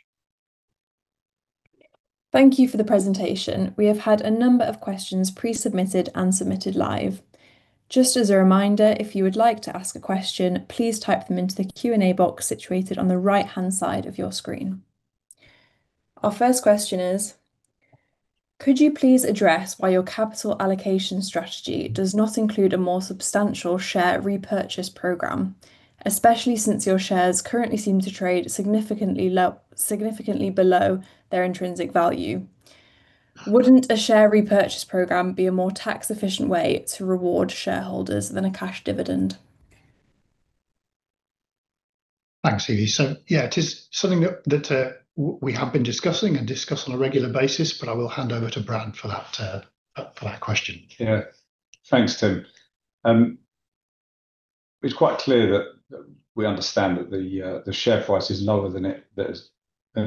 Thank you for the presentation. We have had a number of questions pre-submitted and submitted live. Just as a reminder, if you would like to ask a question, please type them into the Q&A box situated on the right-hand side of your screen. Our first question is: Could you please address why your capital allocation strategy does not include a more substantial share repurchase program, especially since your shares currently seem to trade significantly below their intrinsic value? Wouldn't a share repurchase program be a more tax-efficient way to reward shareholders than a cash dividend? Thanks, Evie. Yeah, it is something that we have been discussing and discuss on a regular basis, but I will hand over to Brad for that question. Yeah. Thanks, Tim. It's quite clear that we understand that the share price is lower than it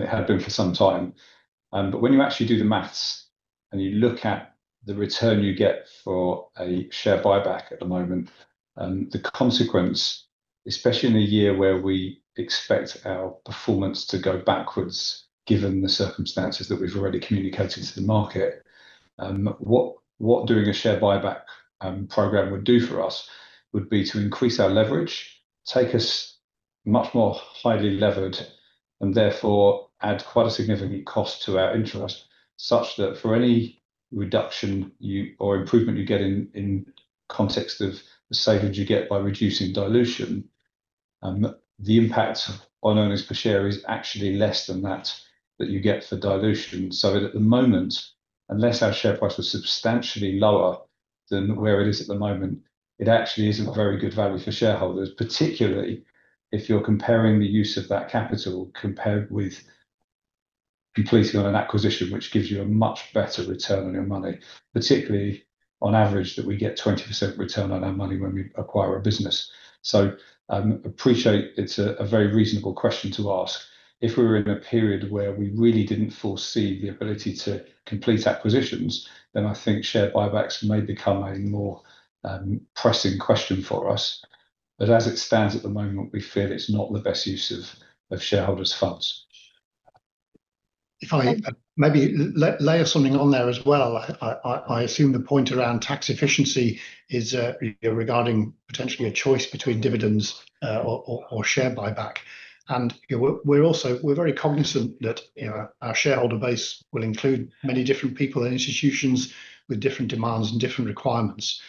had been for some time. When you actually do the math and you look at the return you get for a share buyback at the moment, the consequence, especially in a year where we expect our performance to go backwards, given the circumstances that we've already communicated to the market, what doing a share buyback program would do for us would be to increase our leverage, take us much more highly levered, and therefore add quite a significant cost to our interest, such that for any reduction you or improvement you get in context of the savings you get by reducing dilution, the impact on earnings per share is actually less than that you get for dilution. At the moment, unless our share price was substantially lower than where it is at the moment, it actually isn't very good value for shareholders, particularly if you're comparing the use of that capital compared with completing on an acquisition which gives you a much better return on your money, particularly on average that we get 20% return on our money when we acquire a business. I appreciate it's a very reasonable question to ask. If we were in a period where we really didn't foresee the ability to complete acquisitions, then I think share buybacks may become a more pressing question for us. But as it stands at the moment, we feel it's not the best use of shareholders' funds. If I maybe layer something on there as well. I assume the point around tax efficiency is, you know, regarding potentially a choice between dividends or share buyback. You know, we're also very cognizant that, you know, our shareholder base will include many different people and institutions with different demands and different requirements.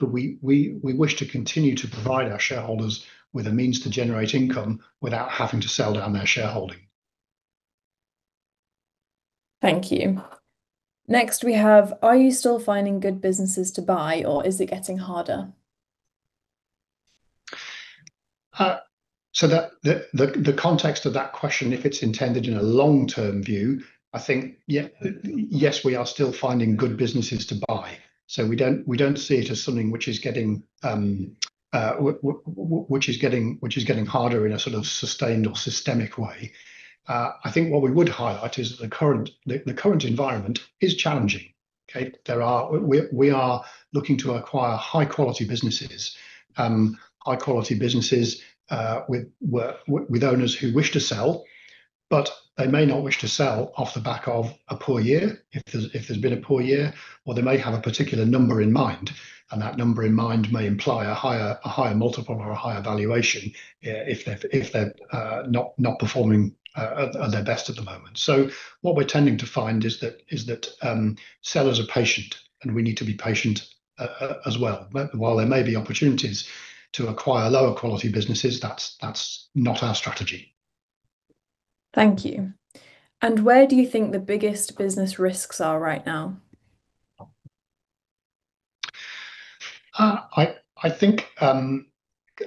We wish to continue to provide our shareholders with a means to generate income without having to sell down their shareholding. Thank you. Next we have, are you still finding good businesses to buy or is it getting harder? The context of that question, if it's intended in a long-term view, I think yes, we are still finding good businesses to buy. We don't see it as something which is getting harder in a sort of sustained or systemic way. I think what we would highlight is the current environment is challenging. We are looking to acquire high quality businesses with owners who wish to sell, but they may not wish to sell off the back of a poor year if there's been a poor year, or they may have a particular number in mind, and that number in mind may imply a higher multiple or a higher valuation if they're not performing at their best at the moment. What we're tending to find is that sellers are patient and we need to be patient as well. While there may be opportunities to acquire lower quality businesses, that's not our strategy. Thank you. Where do you think the biggest business risks are right now? I think I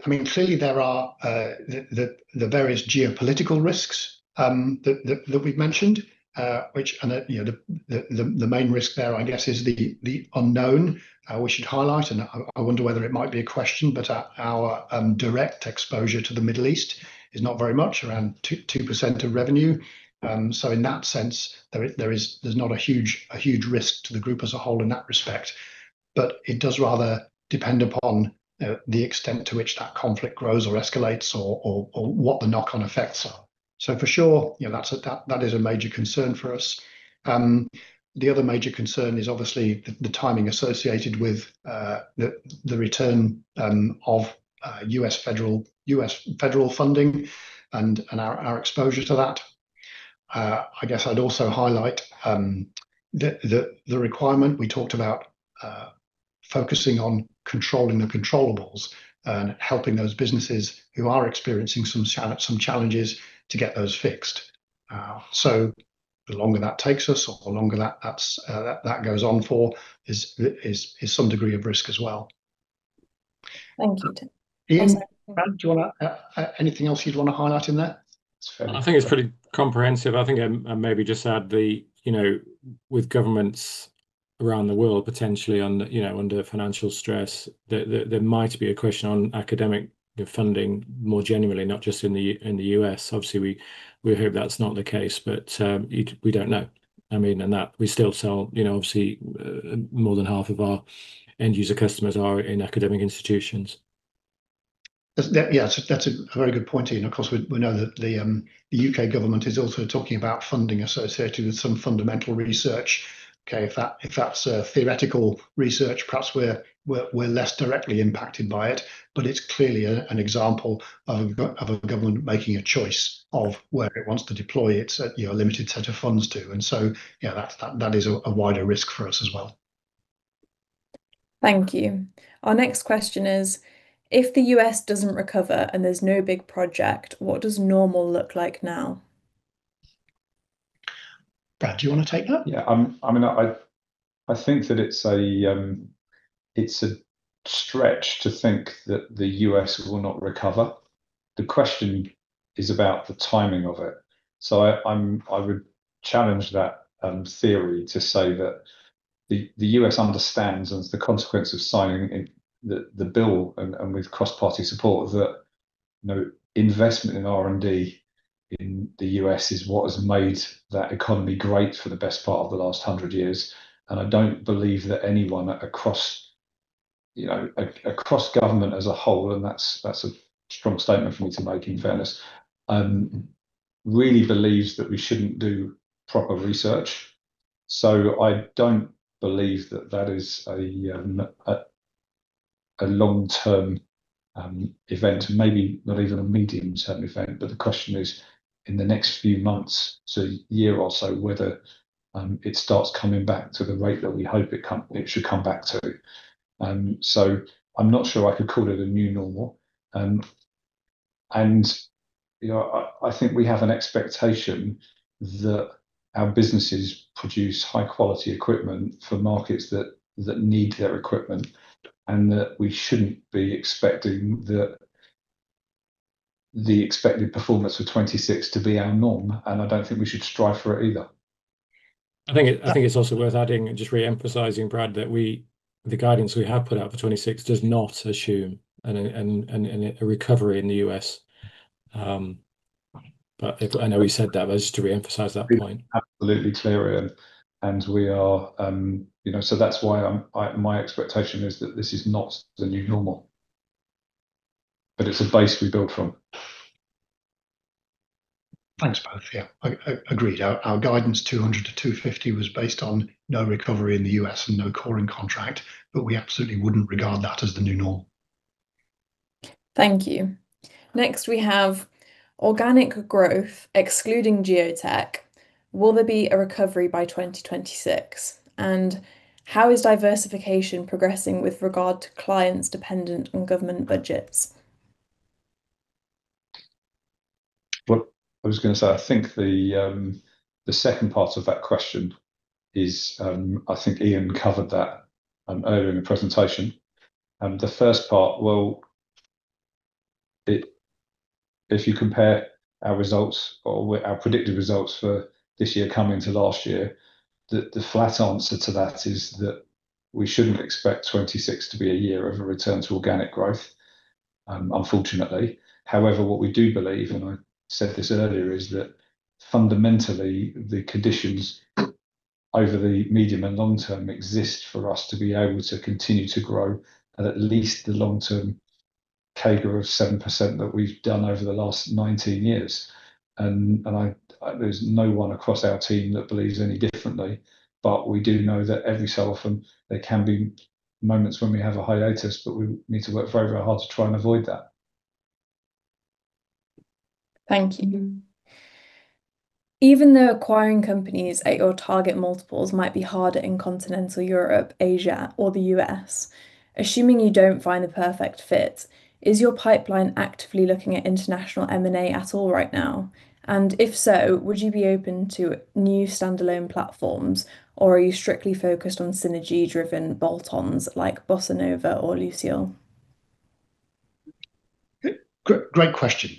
mean clearly there are the various geopolitical risks that we've mentioned. You know the main risk there I guess is the unknown. We should highlight. I wonder whether it might be a question but our direct exposure to the Middle East is not very much around 2% of revenue. In that sense there is not a huge risk to the group as a whole in that respect. It does rather depend upon the extent to which that conflict grows or escalates or what the knock-on effects are. For sure you know that's a major concern for us. The other major concern is obviously the timing associated with the return of U.S. Federal funding and our exposure to that. I guess I'd also highlight the requirement we talked about, focusing on controlling the controllables and helping those businesses who are experiencing some challenges to get those fixed. The longer that takes us or the longer that goes on for is some degree of risk as well. Thank you. Ian, Brad, anything else you'd wanna highlight in there? I think it's pretty comprehensive. I think I'd maybe just add the, you know, with governments around the world potentially under, you know, under financial stress that there might be a question on academic funding more generally, not just in the U.S. Obviously, we hope that's not the case, but we don't know. I mean, that we still sell, you know, obviously more than half of our end user customers are in academic institutions. That's a very good point, Ian. Of course, we know that the U.K. government is also talking about funding associated with some fundamental research. Okay. If that's theoretical research, perhaps we're less directly impacted by it. But it's clearly an example of a government making a choice of where it wants to deploy its, you know, limited set of funds to. You know, that's a wider risk for us as well. Thank you. Our next question is, if the U.S. doesn't recover and there's no big project, what does normal look like now? Brad, do you wanna take that? Yeah. I mean, I think that it's a stretch to think that the U.S. will not recover. The question is about the timing of it. I would challenge that theory to say that the U.S. understands the consequence of signing the bill and with cross-party support, that, you know, investment in R&D in the U.S. is what has made that economy great for the best part of the last hundred years. I don't believe that anyone across, you know, across government as a whole, and that's a strong statement for me to make in fairness, really believes that we shouldn't do proper research. I don't believe that that is a long-term event, and maybe not even a medium-term event. The question is, in the next few months to a year or so, whether it starts coming back to the rate that it should come back to. I'm not sure I could call it a new normal. You know, I think we have an expectation that our businesses produce high quality equipment for markets that need their equipment, and that we shouldn't be expecting that the expected performance for 2026 to be our norm, and I don't think we should strive for it either. I think it's also worth adding and just re-emphasizing, Brad, that the guidance we have put out for 2026 does not assume a recovery in the U.S. I know you said that, but just to re-emphasize that point. Absolutely clear, Ian. That's why my expectation is that this is not the new normal, but it's a base we build from. Thanks, both. Yeah. Agreed. Our guidance 200-250 was based on no recovery in the U.S. and no coring contract, but we absolutely wouldn't regard that as the new norm. Thank you. Next we have organic growth excluding Geotek, will there be a recovery by 2026? How is diversification progressing with regard to clients dependent on government budgets? Well, I was gonna say, I think the second part of that question is, I think Ian covered that earlier in the presentation. The first part, well, if you compare our results or our predicted results for this year compared to last year, the flat answer to that is that we shouldn't expect 2026 to be a year of a return to organic growth, unfortunately. However, what we do believe, and I said this earlier, is that fundamentally the conditions over the medium and long term exist for us to be able to continue to grow at least the long term CAGR of 7% that we've done over the last 19 years. There's no one across our team that believes any differently. We do know that every so often there can be moments when we have a hiatus, but we need to work very, very hard to try and avoid that. Thank you. Even though acquiring companies at your target multiples might be harder in continental Europe, Asia, or the U.S., assuming you don't find the perfect fit, is your pipeline actively looking at international M&A at all right now? And if so, would you be open to new standalone platforms, or are you strictly focused on synergy-driven bolt-ons like Bossa Nova or Luciol? Great question.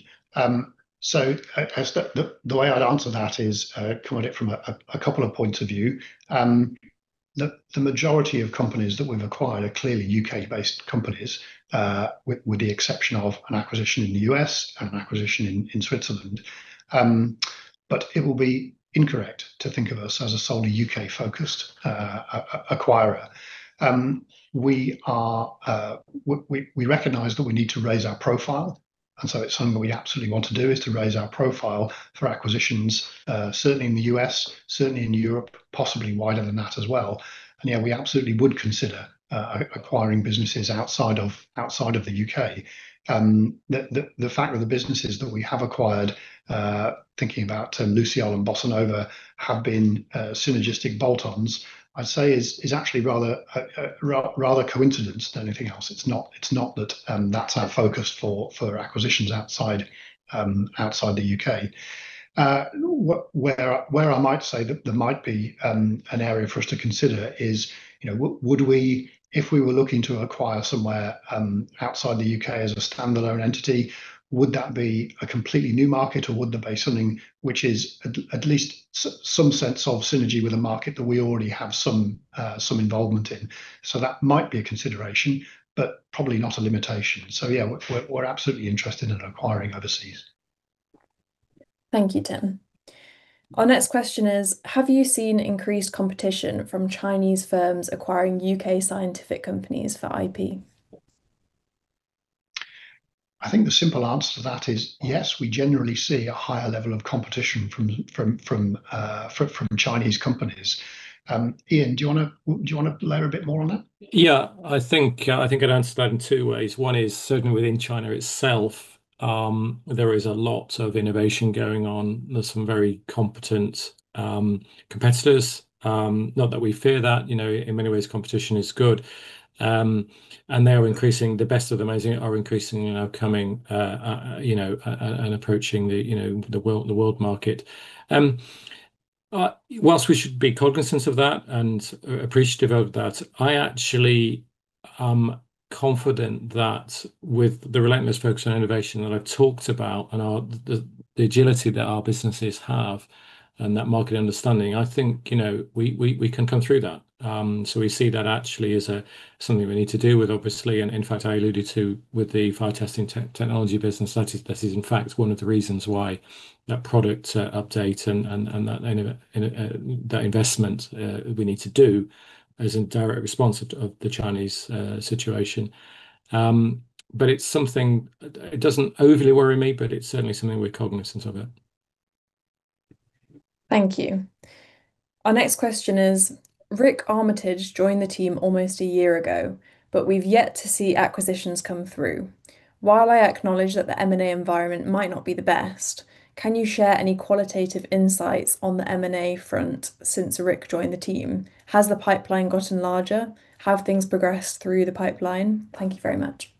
The way I'd answer that is coming at it from a couple of points of view. The majority of companies that we've acquired are clearly U.K.-based companies, with the exception of an acquisition in the U.S. and an acquisition in Switzerland. It would be incorrect to think of us as a solely U.K.-focused acquirer. We recognize that we need to raise our profile, and so it's something we absolutely want to do, is to raise our profile for acquisitions, certainly in the U.S., certainly in Europe, possibly wider than that as well. Yeah, we absolutely would consider acquiring businesses outside of the U.K. The fact that the businesses that we have acquired, thinking about Luciol and Bossa Nova, have been synergistic bolt-ons, I'd say is actually rather coincidence than anything else. It's not that that's our focus for acquisitions outside the U.K. Where I might say that there might be an area for us to consider is, you know, would we if we were looking to acquire somewhere outside the U.K. as a standalone entity, would that be a completely new market, or would there be something which is at least some sense of synergy with a market that we already have some involvement in? That might be a consideration, but probably not a limitation. Yeah, we're absolutely interested in acquiring overseas. Thank you, Tim. Our next question is, have you seen increased competition from Chinese firms acquiring U.K. scientific companies for IP? I think the simple answer to that is yes, we generally see a higher level of competition from Chinese companies. Ian, do you wanna elaborate a bit more on that? Yeah. I think I'd answer that in two ways. One is certainly within China itself, there is a lot of innovation going on. There's some very competent competitors. Not that we fear that. You know, in many ways competition is good. They are increasing. The best of them, as you know, are increasing and are coming, you know, and approaching the, you know, the world market. Whilst we should be cognizant of that and appreciative of that, I actually am confident that with the relentless focus on innovation that I've talked about and our agility that our businesses have and that market understanding, I think, you know, we can come through that. We see that actually as something we need to deal with obviously. In fact, I alluded to with the Fire Testing Technology business. That is, this is in fact one of the reasons why that product update and that investment we need to do is in direct response to the Chinese situation. It's something. It doesn't overly worry me, but it's certainly something we're cognizant of it. Thank you. Our next question is, Rik Armitage joined the team almost a year ago, but we've yet to see acquisitions come through. While I acknowledge that the M&A environment might not be the best, can you share any qualitative insights on the M&A front since Rik joined the team? Has the pipeline gotten larger? Have things progressed through the pipeline? Thank you very much.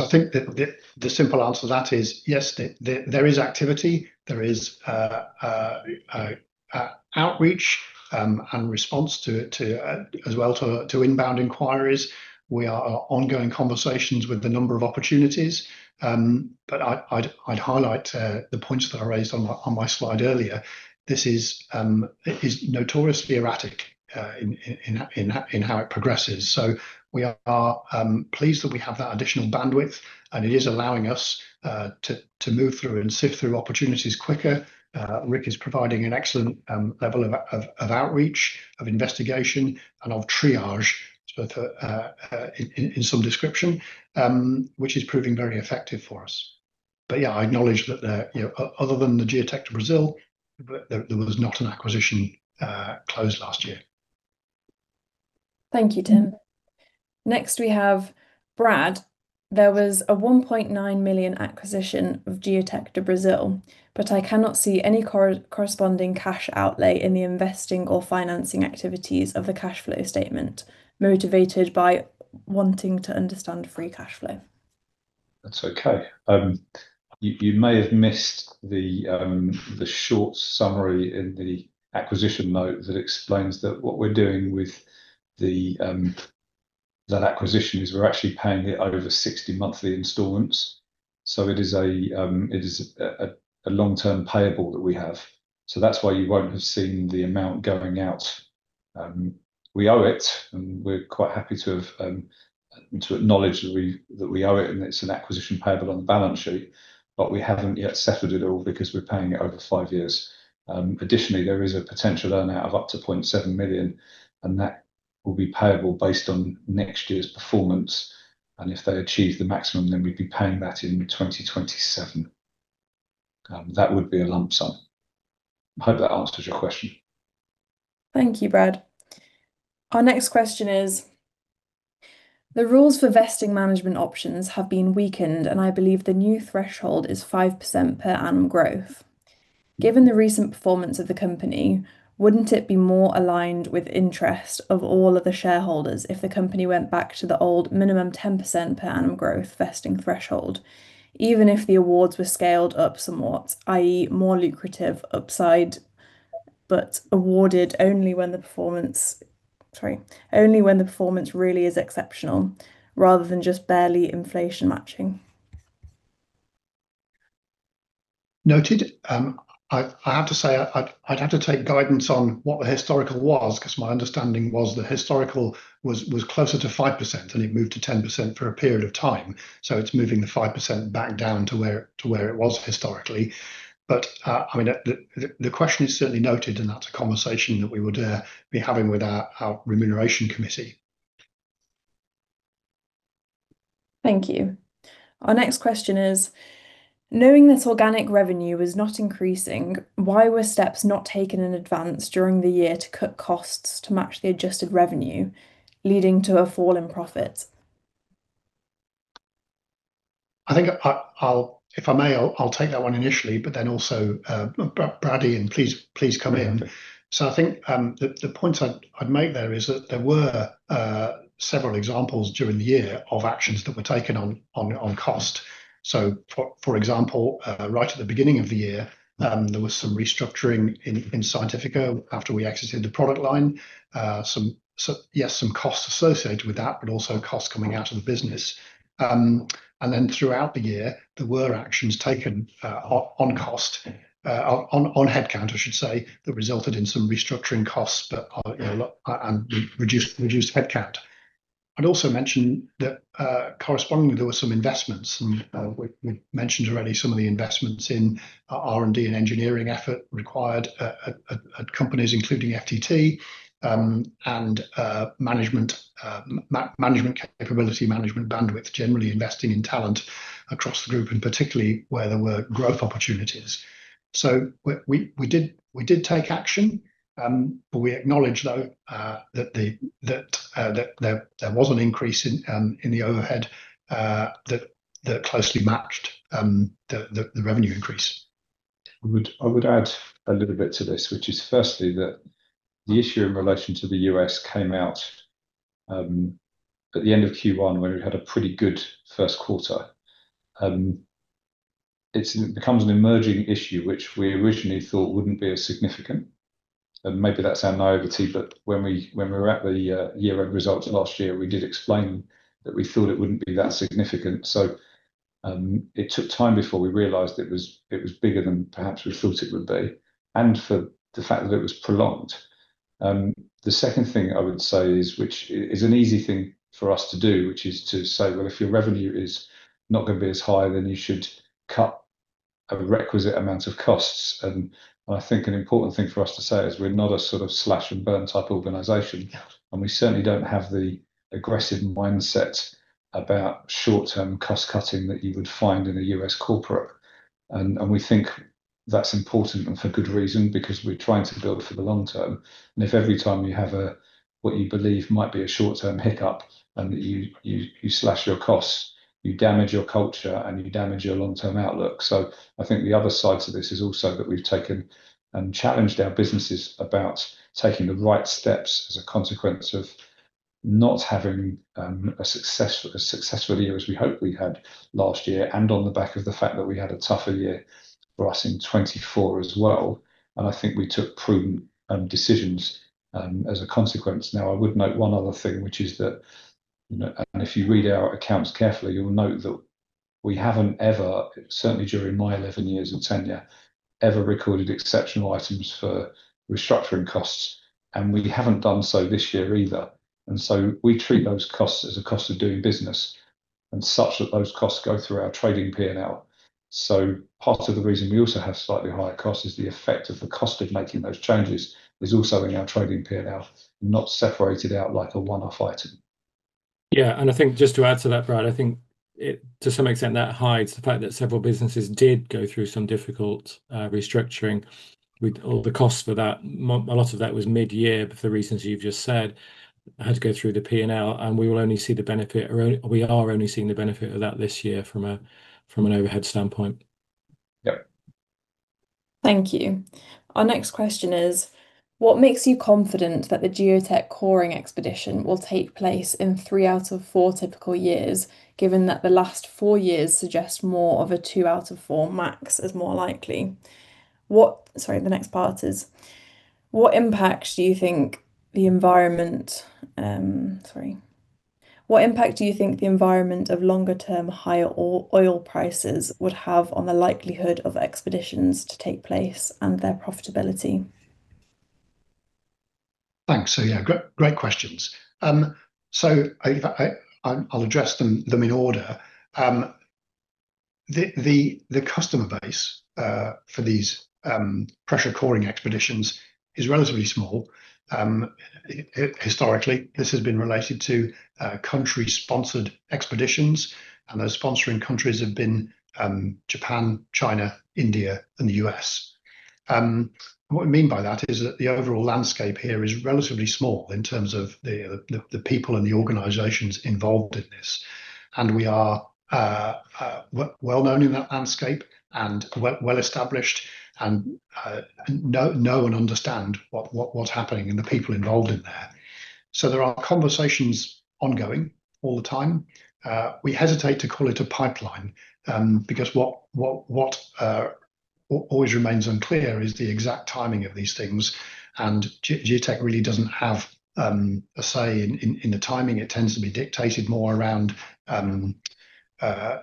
I think the simple answer to that is yes, there is activity, outreach and response to inbound inquiries as well. We have ongoing conversations with a number of opportunities. But I'd highlight the points that I raised on my slide earlier. This is notoriously erratic in how it progresses. We are pleased that we have that additional bandwidth, and it is allowing us to move through and sift through opportunities quicker. Rik is providing an excellent level of outreach, of investigation, and of triage both in some description, which is proving very effective for us. Yeah, I acknowledge that, you know, other than the Geotek do Brasil, there was not an acquisition closed last year. Thank you, Tim. Next we have Brad. There was a 1.9 million acquisition of Geotek do Brasil, but I cannot see any corresponding cash outlay in the investing or financing activities of the cash flow statement motivated by wanting to understand free cash flow. That's okay. You may have missed the short summary in the acquisition note that explains that what we're doing with that acquisition is we're actually paying it over 60 monthly installments. It is a long-term payable that we have. That's why you won't have seen the amount going out. We owe it, and we're quite happy to acknowledge that we owe it, and it's an acquisition payable on the balance sheet. We haven't yet settled it all because we're paying it over five years. Additionally, there is a potential earn-out of up to 0.7 million, and that will be payable based on next year's performance. If they achieve the maximum, then we'd be paying that in 2027. That would be a lump sum. Hope that answers your question. Thank you, Brad. Our next question is, the rules for vesting management options have been weakened, and I believe the new threshold is 5% per annum growth. Given the recent performance of the company, wouldn't it be more aligned with interest of all of the shareholders if the company went back to the old minimum 10% per annum growth vesting threshold, even if the awards were scaled up somewhat, i.e., more lucrative upside, but awarded only when the performance really is exceptional rather than just barely inflation matching. Noted. I have to say, I'd have to take guidance on what the historical was because my understanding was the historical was closer to 5%, and it moved to 10% for a period of time, so it's moving the 5% back down to where it was historically. I mean, the question is certainly noted, and that's a conversation that we would be having with our remuneration committee. Thank you. Our next question is, knowing that organic revenue was not increasing, why were steps not taken in advance during the year to cut costs to match the adjusted revenue, leading to a fall in profits? I think if I may, I'll take that one initially, but then also, Brad, and please come in. I think the point I'd make there is that there were several examples during the year of actions that were taken on cost. For example, right at the beginning of the year, there was some restructuring in Scientifica after we exited the product line. So yes, some costs associated with that, but also costs coming out of the business. And then throughout the year, there were actions taken on cost, on headcount, I should say, that resulted in some restructuring costs, but you know, reduced headcount. I'd also mention that, correspondingly, there were some investments and, we mentioned already some of the investments in R&D and engineering effort required at companies including FTT, and management capability, management bandwidth, generally investing in talent across the group, and particularly where there were growth opportunities. We did take action, but we acknowledge though, that there was an increase in the overhead, that closely matched the revenue increase. I would add a little bit to this, which is firstly that the issue in relation to the U.S. came out at the end of Q1 when we'd had a pretty good first quarter. It becomes an emerging issue, which we originally thought wouldn't be as significant, and maybe that's our naivety. When we were at the year-end results last year, we did explain that we thought it wouldn't be that significant. It took time before we realized it was bigger than perhaps we thought it would be and for the fact that it was prolonged. The second thing I would say is, which is an easy thing for us to do, which is to say, well, if your revenue is not gonna be as high, then you should cut a requisite amount of costs. I think an important thing for us to say is we're not a sort of slash and burn type organization. Yeah. We certainly don't have the aggressive mindset about short-term cost cutting that you would find in a U.S. corporate. We think that's important and for good reason because we're trying to build for the long term. If every time you have a what you believe might be a short-term hiccup, and you slash your costs, you damage your culture, and you damage your long-term outlook. I think the other side to this is also that we've taken and challenged our businesses about taking the right steps as a consequence of not having a successful year as we hoped we'd had last year. On the back of the fact that we had a tougher year for us in 2024 as well, and I think we took prudent decisions as a consequence. Now, I would note one other thing, which is that, you know, and if you read our accounts carefully, you'll note that we haven't ever, certainly during my 11 years of tenure, ever recorded exceptional items for restructuring costs, and we haven't done so this year either. We treat those costs as a cost of doing business and such that those costs go through our trading P&L. Part of the reason we also have slightly higher costs is the effect of the cost of making those changes is also in our trading P&L, not separated out like a one-off item. Yeah, I think just to add to that, Brad, I think it to some extent that hides the fact that several businesses did go through some difficult restructuring with all the costs for that. A lot of that was mid-year for the reasons you've just said, had to go through the P&L and we will only see the benefit, or we are only seeing the benefit of that this year from an overhead standpoint. Yep. Thank you. Our next question is: What makes you confident that the Geotek coring expedition will take place in three out of four typical years, given that the last four years suggest more of a two out of four max is more likely? What impact do you think the environment of longer term higher oil prices would have on the likelihood of expeditions to take place and their profitability? Thanks. Yeah, great questions. I'll address them in order. The customer base for these pressure coring expeditions is relatively small. Historically, this has been related to country-sponsored expeditions, and those sponsoring countries have been Japan, China, India, and the U.S. What I mean by that is that the overall landscape here is relatively small in terms of the people and the organizations involved in this. We are well known in that landscape and well established and know and understand what's happening and the people involved in there. There are conversations ongoing all the time. We hesitate to call it a pipeline because what always remains unclear is the exact timing of these things. Geotek really doesn't have a say in the timing. It tends to be dictated more around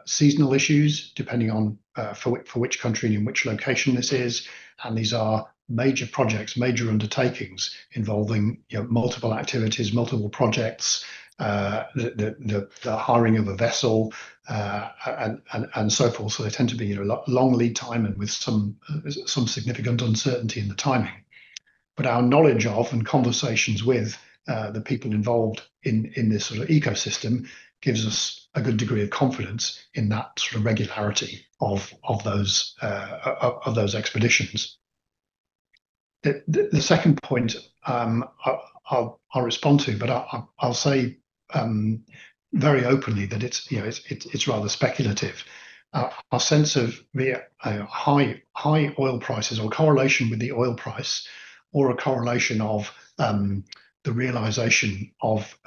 seasonal issues depending on for which country and which location this is. These are major projects, major undertakings involving, you know, multiple activities, multiple projects, the hiring of a vessel, and so forth. They tend to be, you know, long lead time and with some significant uncertainty in the timing. Our knowledge of and conversations with the people involved in this sort of ecosystem gives us a good degree of confidence in that sort of regularity of those expeditions. The second point, I'll respond to, but I'll say very openly that it's, you know, rather speculative. Our sense of the high oil prices or correlation with the oil price or a correlation of the realization of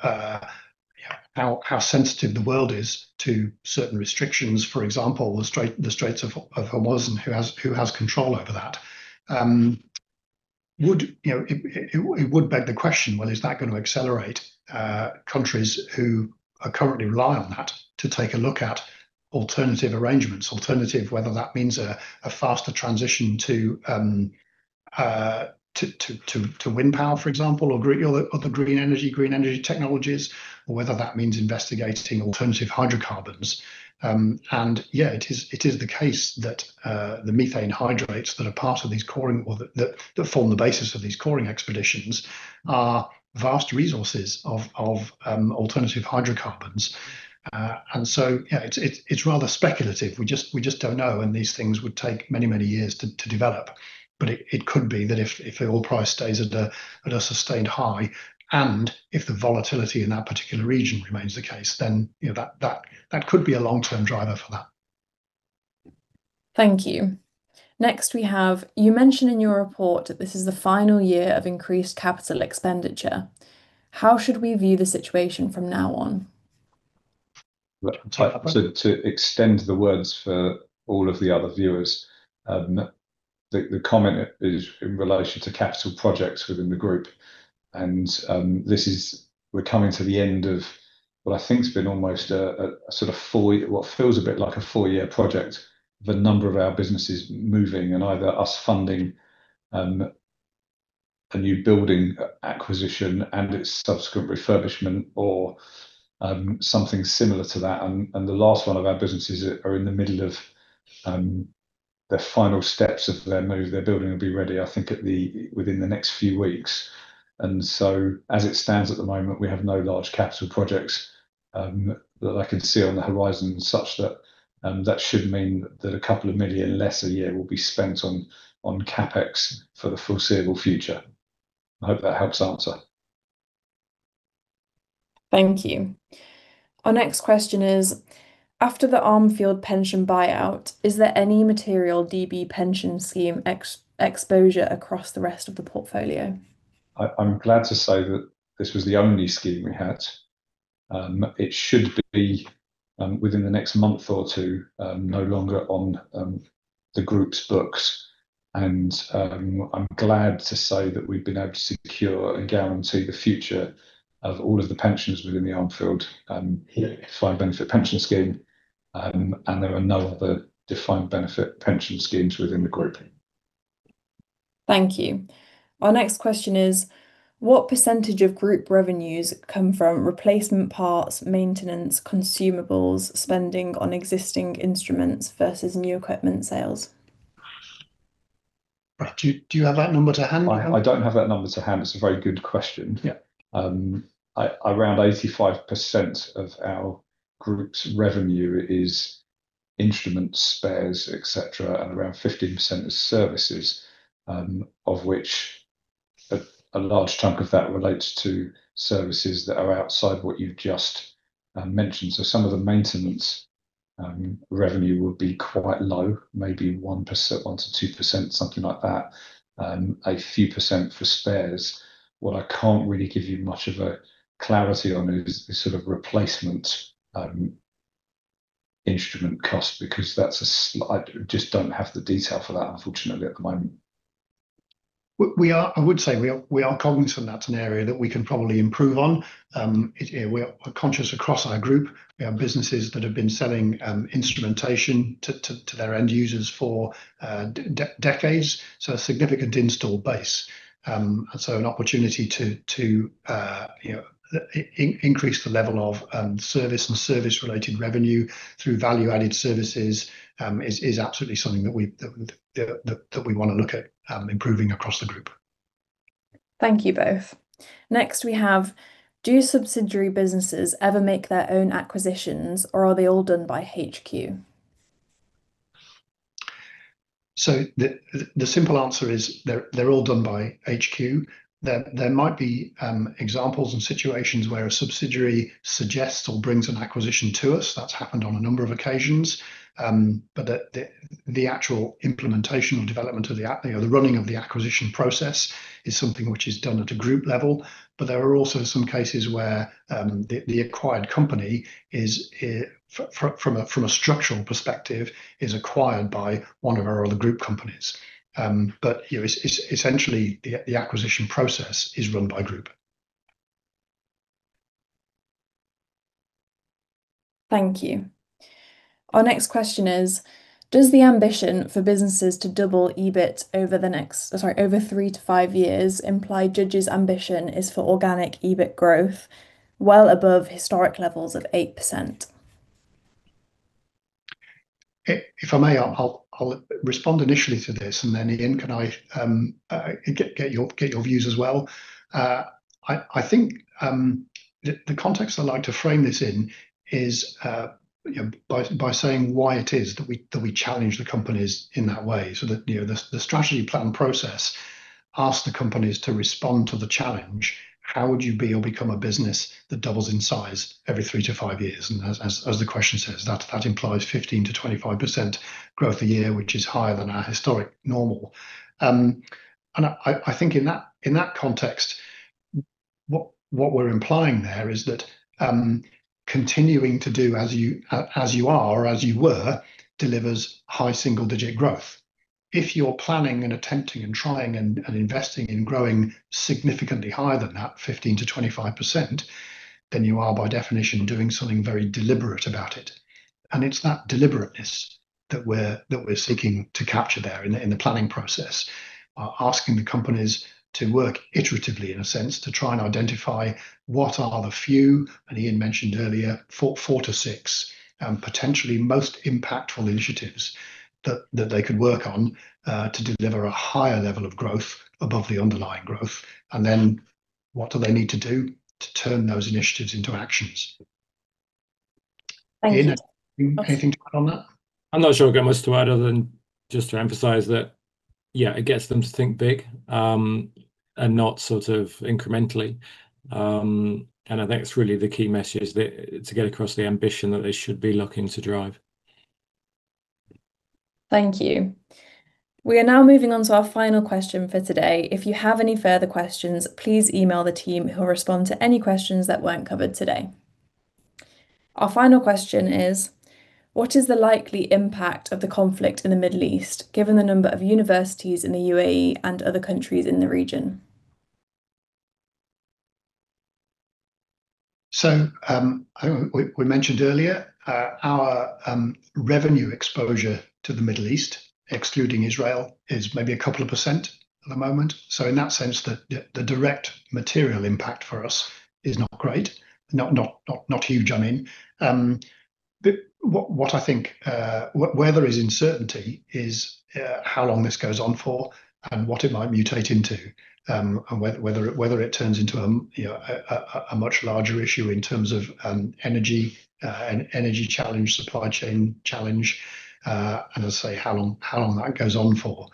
how sensitive the world is to certain restrictions. For example, the Strait of Hormuz and who has control over that would, you know, beg the question, well, is that gonna accelerate countries who are currently rely on that to take a look at alternative arrangements, whether that means a faster transition to wind power, for example, or other green energy technologies, or whether that means investigating alternative hydrocarbons. Yeah, it is the case that the methane hydrates that form the basis of these coring expeditions are vast resources of alternative hydrocarbons. You know, it's rather speculative. We just don't know, and these things would take many years to develop. It could be that if the oil price stays at a sustained high, and if the volatility in that particular region remains the case, you know, that could be a long-term driver for that. Thank you. Next we have, you mentioned in your report that this is the final year of increased capital expenditure. How should we view the situation from now on? To extend the words for all of the other viewers, the comment is in relation to capital projects within the group. We're coming to the end of what I think has been almost a sort of four-year project, what feels a bit like a four-year project. The number of our businesses moving and either us funding a new building acquisition and its subsequent refurbishment or something similar to that. The last one of our businesses is in the middle of their final steps of their move. Their building will be ready, I think, within the next few weeks. As it stands at the moment, we have no large capital projects that I can see on the horizon. That should mean that 2 million less a year will be spent on CapEx for the foreseeable future. I hope that helps answer. Thank you. Our next question is, after the Armfield pension buyout, is there any material DB pension scheme exposure across the rest of the portfolio? I'm glad to say that this was the only scheme we had. It should be, within the next month or two, no longer on the group's books. I'm glad to say that we've been able to secure and guarantee the future of all of the pensions within the Armfield defined benefit pension scheme. There are no other defined benefit pension schemes within the group. Thank you. Our next question is, what percentage of group revenues come from replacement parts, maintenance, consumables, spending on existing instruments versus new equipment sales? Do you have that number to hand? I don't have that number to hand. It's a very good question. Yeah. Around 85% of our group's revenue is instrument spares, et cetera, and around 15% is services, of which a large chunk of that relates to services that are outside what you've just mentioned. Some of the maintenance revenue will be quite low, maybe 1%, 1%-2%, something like that. A few percent for spares. What I can't really give you much of a clarity on is sort of replacement instrument cost because I just don't have the detail for that, unfortunately, at the moment. I would say we are cognizant that it's an area that we can probably improve on. We are conscious across our group. We have businesses that have been selling instrumentation to their end users for decades, so a significant install base. An opportunity to, you know, increase the level of service and service related revenue through value added services is absolutely something that we wanna look at improving across the group. Thank you both. Next we have, do subsidiary businesses ever make their own acquisitions, or are they all done by HQ? The simple answer is they're all done by HQ. There might be examples and situations where a subsidiary suggests or brings an acquisition to us. That's happened on a number of occasions. The actual implementation and development, you know, the running of the acquisition process, is something which is done at a group level. There are also some cases where the acquired company is, from a structural perspective, acquired by one of our other group companies. You know, it's essentially the acquisition process is run by group. Thank you. Our next question is, does the ambition for businesses to double EBIT over three-five years imply Judges' ambition is for organic EBIT growth well above historic levels of 8%? If I may, I'll respond initially to this. Ian, can I get your views as well? I think the context I'd like to frame this in is you know, by saying why it is that we challenge the companies in that way so that you know, the strategy plan process asks the companies to respond to the challenge, how would you be or become a business that doubles in size every three-five years? As the question says, that implies 15%-25% growth a year, which is higher than our historic normal. I think in that context, what we're implying there is that, continuing to do as you are or as you were, delivers high single digit growth. If you're planning and attempting and trying and investing in growing significantly higher than that 15%-25%, then you are by definition doing something very deliberate about it. It's that deliberateness that we're seeking to capture there in the planning process, asking the companies to work iteratively, in a sense, to try and identify what are the few, and Ian mentioned earlier, four-six potentially most impactful initiatives that they could work on, to deliver a higher level of growth above the underlying growth. Then what do they need to do to turn those initiatives into actions. Thank you. Ian, anything to add on that? I'm not sure I've got much to add other than just to emphasize that, yeah, it gets them to think big, and not sort of incrementally. I think it's really the key message is that to get across the ambition that they should be looking to drive. Thank you. We are now moving on to our final question for today. If you have any further questions, please email the team who will respond to any questions that weren't covered today. Our final question is, what is the likely impact of the conflict in the Middle East given the number of universities in the UAE and other countries in the region? I think we mentioned earlier our revenue exposure to the Middle East, excluding Israel, is maybe 2% at the moment. In that sense, the direct material impact for us is not great. Not huge, I mean. Where there is uncertainty is how long this goes on for and what it might mutate into, and whether it turns into, you know, a much larger issue in terms of energy, an energy challenge, supply chain challenge, and as I say, how long that goes on for.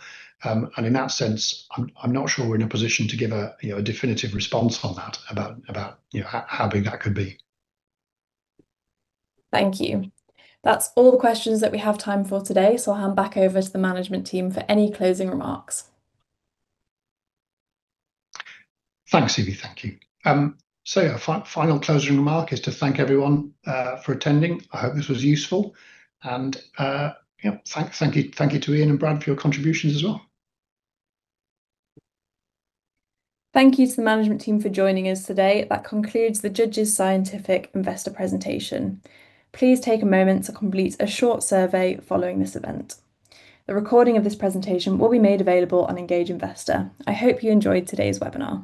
In that sense, I'm not sure we're in a position to give a, you know, a definitive response on that about, you know, how big that could be. Thank you. That's all the questions that we have time for today, so I'll hand back over to the management team for any closing remarks. Thanks, Evie. Thank you. A final closing remark is to thank everyone for attending. I hope this was useful, and yeah, thank you to Ian and Brad for your contributions as well. Thank you to the management team for joining us today. That concludes the Judges Scientific Investor Presentation. Please take a moment to complete a short survey following this event. The recording of this presentation will be made available on Engage Investor. I hope you enjoyed today's webinar.